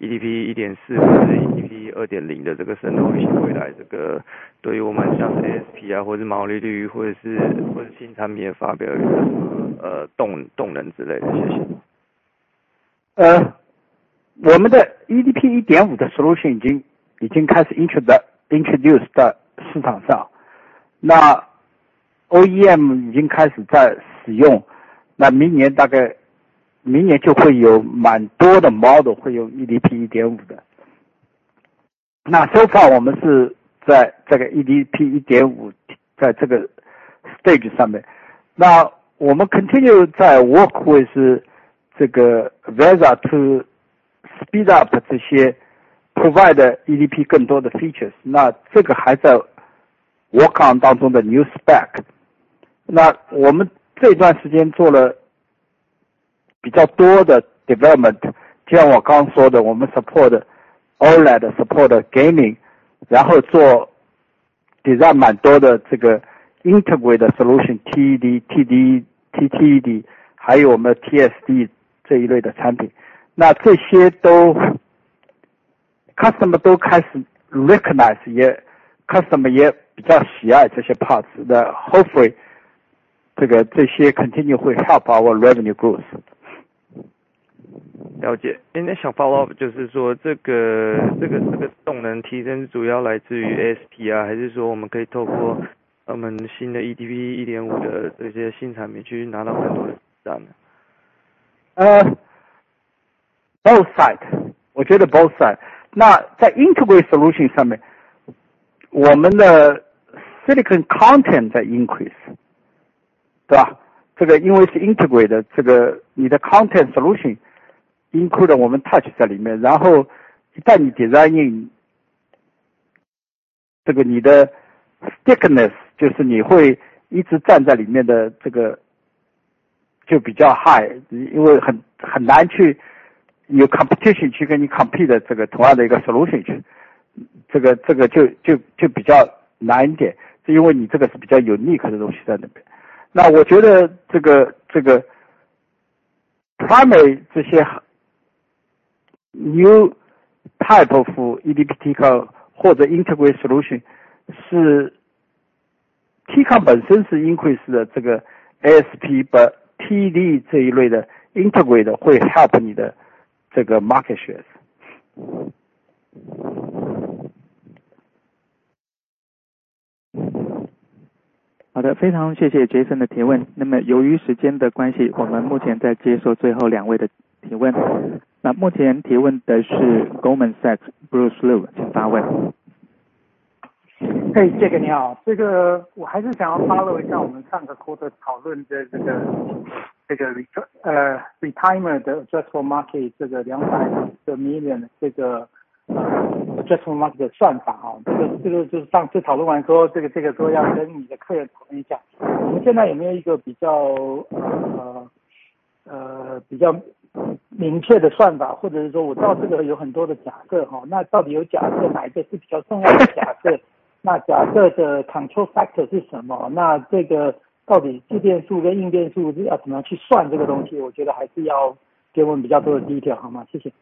model 会有 eDP 1.5 的。那 so far 我们是在这个 eDP 1.5，在这个 stage 上面，那我们 continue 在 work 会是这个 VESA to speed up 这些 provide eDP 更多的 features，那这个还在 work 当中的 new spec。那我们这段 时间做了比较多的 development，就像我刚刚说的，我们 support OLED，support gaming，然后做 design 蛮多的，这个 integrate solution，TED，TTD，还有我们的 TSD 这一类的产品，那这些都 customer 都开始 recognize，也 customer 也比较喜爱这些 parts，那 hopefully，这个 这些 continue 会 help our revenue growth. 了解，那想 follow up，就是说这个动能提升主要来自于 ASP，还是说我们可以透过我们新的 eDP 1.5 的这些新产品去拿到更多的订单. Uh, both sides, I think both sides. Then, on the integrate solution side, our silicon content is increasing, right? This is because it's integrate, your content solution includes our touch inside, then once you design in, your stickiness is that you will always stay inside, this is relatively high, because it's very, very hard to have competition go compete with you, this same solution, this, this is just a bit harder, because you have relatively unique things over there. Then I think this, these primary new types of eDP or integrate solution, the T-Con itself is increasing, this ASP, but TTD this kind of integrate will help your market share. 好的，非常谢谢Jason的提问。那么由于时间的关系，我们目前在接受最后两位的提问。那目前提问的是Goldman Sachs，Bruce Lu，请发问. 嘿，Jack，你好，这个我还是想要 follow 一下我们上个 quarter 讨论的这个，retimer addressable market，这个 $200 million，这个，addressable market 的算法 啊，这个，这个就是上次讨论完之后，这个，这个说要跟你的客人讨论一下，我们现在有没有一个比较，比较明确的算法，或者是说我知道这个有很多的假设，那到底有假设，哪个是比较重要的假设？那假设的 control factor 是什么？那这个到底自变量跟应变量要怎么样去算这个东西，我觉得还是要给我们比较多的细节好吗？谢谢?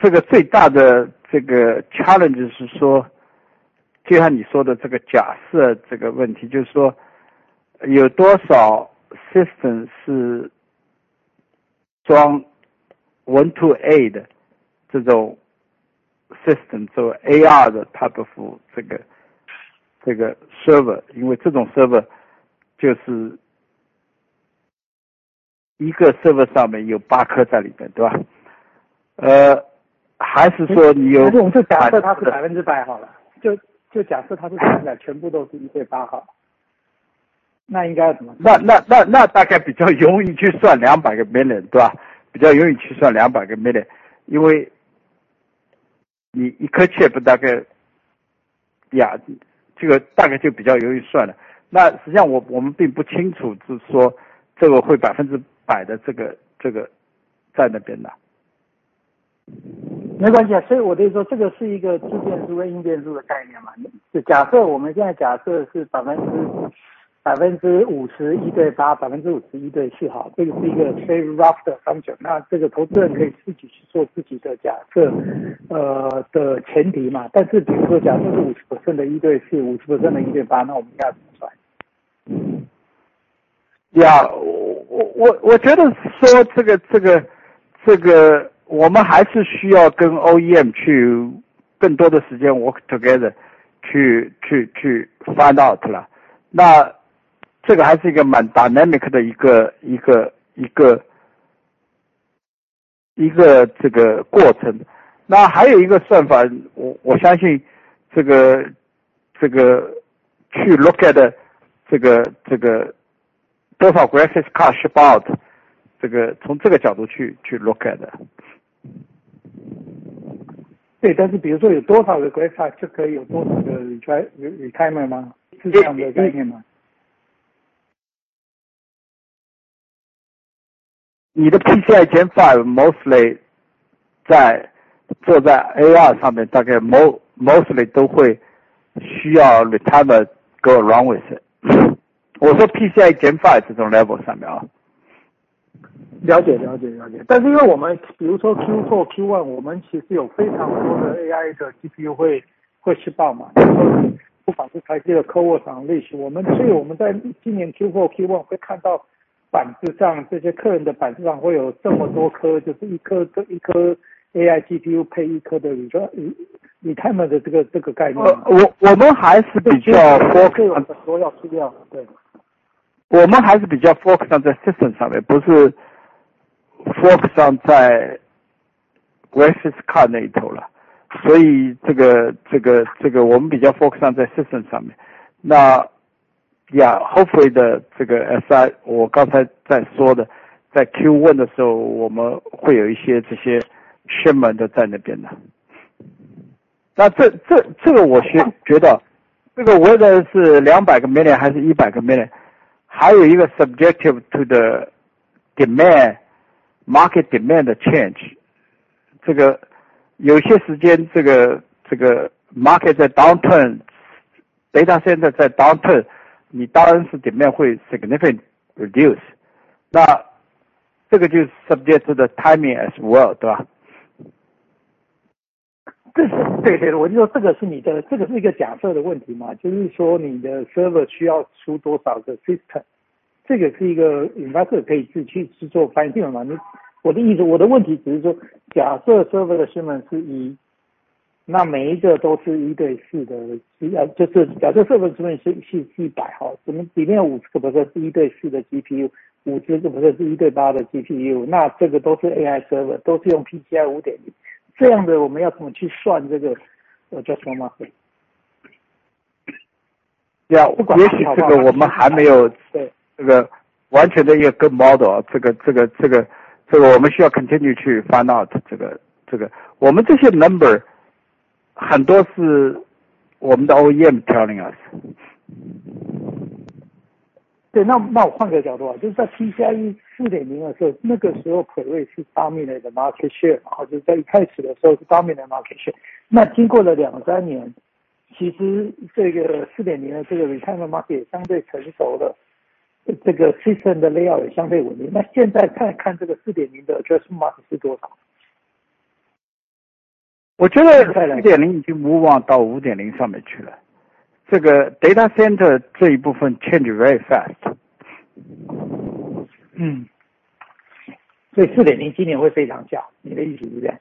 这个最大的这个challenge是说，就像你说的这个假设这个问题，就是说有多少system是装1-8这种system，作为AR的type of这个，这个server，因为这种server就是一个server上面有8颗在里面，对吧？还是说你有. 就假设它是百分之百好了，就，就假设它是百分之百，全部都是一对八号，那应该怎么算? 那，大概比较容易去算，$200 million，对吧？比较容易去算 $200 million，因为你一颗 chip 大概，这个大概就比较容易算了。那实际上，我们并不清楚，就是说这个会 100% 的这个，在那边的. 没关系啊，所以我就说这个是一个自变量和应变量的概念嘛。就假设我们现在假设是50%，50% 1:8，50% 1:7 好了，这个是一个 very rough 的 function，那这个投资者可以自己去做自己的假设的前提嘛。但是比如说假设是50% 的 1:4，50% 的 1:8，那我们要怎么算? Yeah, 我觉得说这个，我们还是需要跟OEM去更多的时间work together去find out啦。那这个还是一个蛮dynamic的，这个过程。那还有一个算法，我相信这个，去look at这个，多少graphics card is bought，这个从这个角度去看look at. 对，但是比如说有多少的 graphics card 就可以有多少的 retimer 吗？是这样的概念吗? ...你的 PCIe Gen 5 mostly 在做在 AI 上面，大概 mos tly 都会需要 retimer 跟 redrivers，我说 PCIe Gen 5 这种 level 上面啊. 了解，了解，了解，但是因为我们比如说 Q4、Q1，我们其实有非常多的 AI 的 GPU 会去报嘛，不保证台积的 cowork 上类型，所以我们在今年 Q4、Q1 会看到板子上，这些客人的板子上会有这么多颗，就是一颗，一颗 AI GPU，配一颗的，你知道，你，你提我们的这个，这个概念. 我们还是比较. 所有的数量，对. 我们还是比较 focus 在 system 上面，不是 focus 在 graphics card 那一头了。所以这个，我们比较 focus 在 system 上面，那，呀，hopefully 的这个 SI，我刚才在说的，在 Q1 的时候，我们会有一些这些 shipment 的在那边的。那这个我是觉得，这个无论 是 $200 million 还是 $100 million，还有一个 subject to the demand，market demand change，这个有些时间，这个，market 在 downturn，data center 在 downturn，你当然是里面会 significantly reduce，那这个就是 subject to the timing as well，对吧? 这是，对，我就说这个是你的，这个是一个假设的问题嘛，就是说你的server需要出多少个system，这个是一个你倒是可以去发现嘛。那我的意思，我的问题只是说，假设server的shipment是1，那每一个都是一对四的，啊，就是假设server是100个，我们里面50%是一对四的GPU，50%是一对八的GPU，那这个都是AI server，都是用PCIe 5.0，这样的我们要怎么去算这个，叫什么? 要, 也许这个我们还没有. 对. 这个完全的一个 model，我们需要 continue 去 find out，我们这些 number 很多是我们的 OEM telling us. 对，那，那我换个角度，就是在 PCIe 4.0 的 时候，那个时候 probably 是 dominate 的 market share，就在一开始的时候是 dominate market share。那经过了两三年，其实这个 4.0 的 这个，你看到 market 也相对成熟了，这个 system 的 layout 也相对稳定。那现在再看这个 4.0 的 address market 是 多少? 我觉得4.0已经move on到5.0上面去了，这个data center这一部分change very fast. 所以 4.0 今年会非常 小， 你的意思是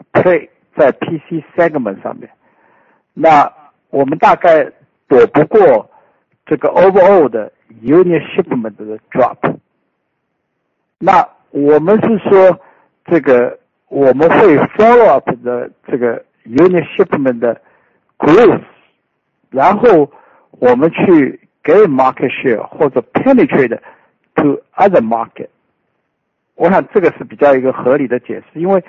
不 是? 对啊，4.0的现在的new design已经几乎没有了，都，都已经是5.0的，4.0只是在做一些shipment. 好，那我理解。那第二个问题还是问一下，就是说你第四季的guidance看起来终于YoY是正的了哦，但是你的第四季的revenue，就算是midpoint，比你的peak revenue可能还down了30几个%哦。你，就是说这个主要看起来还是这个，DisplayPort这边看起来还是营收比当初的peak revenue小很多哦。那你预计要大概花多长的时间可以回到你的这个peak revenue，因为这个离peak revenue看起来还有30%-40%的gap了，这种我想这个inventory collection比其他的cycle还长了一点，也重了一点哦，所以这个反弹的速度你觉得会是比较还是一样跟着market走一个L shape的，还是说你的market share gap还是新产品可以让你recovery稍微快一点. 那我是这样看的，2022或者2021 unit PC shipment跟2023年底大概有20%，2023年有20%的drop，是吧？这个it somewhat depends有一些customer，有些customer可能会到了30% drop，从peak到，到现在。那我们是一个player在PC segment上面，那我们大概躲不过这个overall的unit shipment的drop。那我们是说这个我们会follow up的这个unit shipment的growth，然后我们去gain market share或者penetrate to other market。我想这个是一个合理的解释，因为你的unit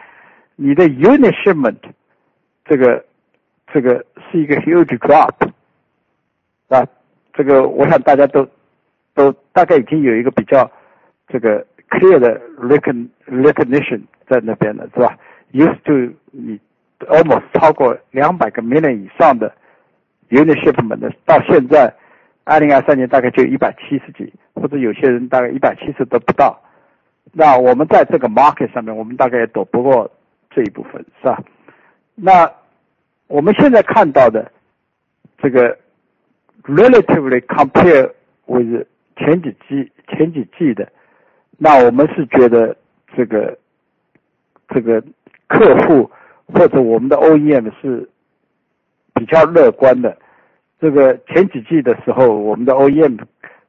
shipment这个，这是一个huge drop，是吧？这个我想大家都，大概已经有一个比较clear的recognition在那边了，是吧？It used to almost超过200 million以上的unit shipment，到现在2023年大概就170几，或者有些人大概170都不到。那我们在这个market上面，我们大概也躲不过这一部分，是吧？那我们现在看到的这个relatively compared with前几季，前几季的，那我们是觉得这个，客户或者我们的OEM是比较乐观的，这个前几季的时候，我们的OEM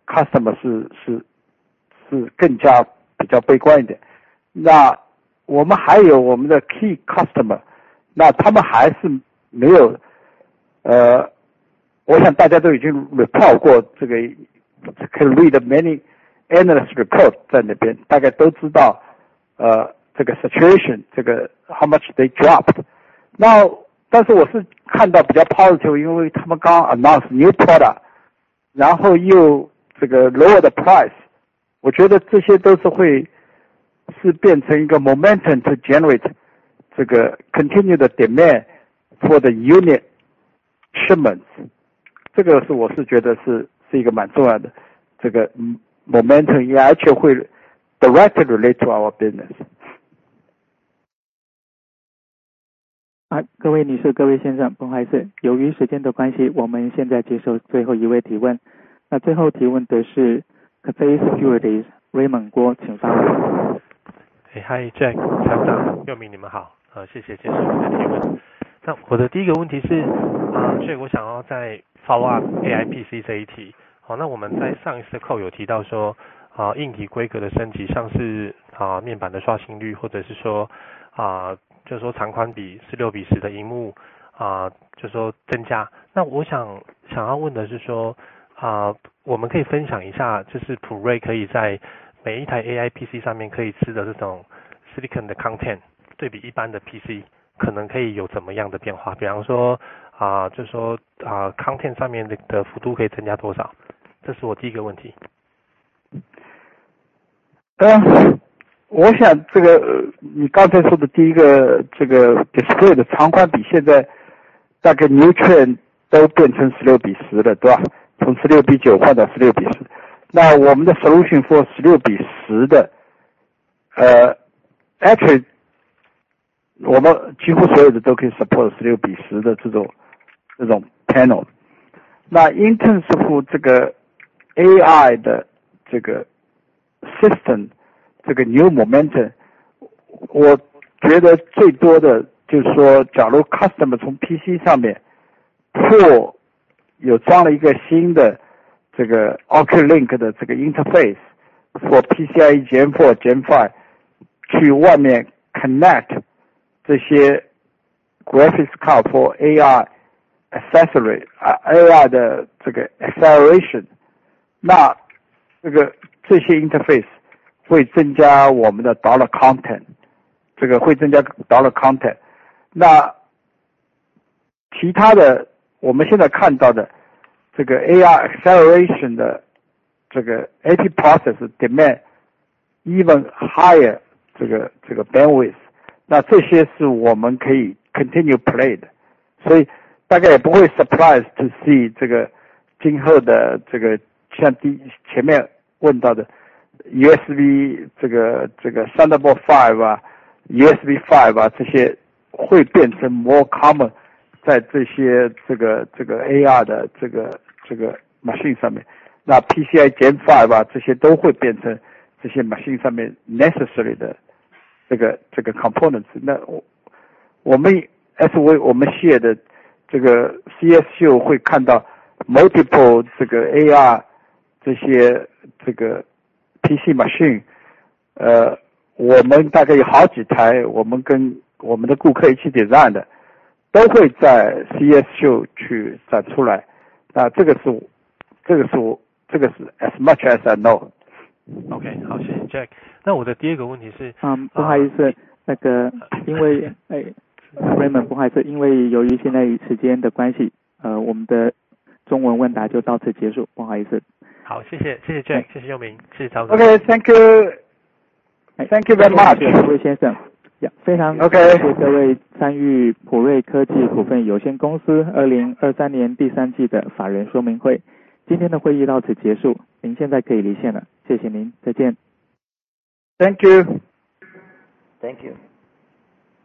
customer是，是. 是更加比较悲观一点，那我们还有我们的key customer，那他们还是没有，我想大家都已经被report过，这个可以read many analyst report在那边，大概都知道，这个situation，这个how much they dropped。那但是我是看到比较positive，因为他们刚announce new product，然后又这个lower the price，我觉得这些都将会变成一个momentum to generate这个continue的需求for the unit shipment，这个是我觉得是，是一个蛮重要的，这个momentum也actually会directly relate to our business. 啊，各位女士，各位先生，不好意思，由于时间的关系，我们现在接受最后一位提问。那最后提问的是 Fubon Securities 魏梦郭，请发问. Hi, Jack, Yo-Ming, 你们好，谢谢接受我的提问。我的第一个问题是，我想再 follow up AI PC 这一题。那我们在上一次 call 有提到说，硬件规格的升级，像是，面板的刷新率，或者是说，就是说长宽比是 6:10 的萤幕，就是说增加。那我想问的是说，我们可以分享一下，就是普瑞可以在每一台 AI PC 上面可以吃的那种 silicon 的 content，对比一般的 PC 可能可以有什么样的变化，比如说，就是说，content 上面的幅度可以增加多少？这是我第一个问题. 我想这个，你刚才说的第一个，这个display的长宽比，现在大概new trend都变成16:10了，对吧？从16:9换到16:10。那我们的solution for 16:10的，actually我们几乎所有的都可以support 16:10的这种，这种panel。那in terms of 这个AI的这个system，这个new momentum，我觉得最多的就是说，假如customer从PC上面或有装了一个新的这个OCuLink的这个interface，或PCIe Gen4、Gen5，去外面connect这些graphics card for AI accessory，AI的这个acceleration，那这些这些interface会增加我们的dollar content，这个会增加dollar content。那其他的，我们现在看到的这个AI acceleration的这个EP process demand even higher，这个，这个bandwidth，那这些是我们可以continue play的，所以大家也不会surprise to see 这个今后的这个像前面问到的USB，这个，这个Thunderbolt 5啊，USB5啊，这些会变成more common在这些，这个，这个AI的这个，这个machine上面，那PCIe Gen5啊，这些都会变成这些machine上面necessary的这个，这个components。那我们as well，我们现在的这个CES会看到multiple，这个AI这些，这个PC machine，我们大概有好几台，我们跟我们的顾客一起design的，都会在CES去展出来，这个是，这个是，这个是as much as I know. OK，好，谢谢 Jack。那么我的第二个问题是. 不好意思，Raymond，不好意思，因为由于现在时间的的关系，我们的中文问答就到此结束，不好意思. 好，谢谢，谢谢Jack，谢谢佑明，谢谢赵总. OK, thank you, thank you very much. 各位先生，非常. OK。谢谢各位参与普瑞科技股份有限公司2023年第三季的法人说明会。今天会议到此结束，您现在可以离线了。谢谢您，再见。Thank you！ Thank you.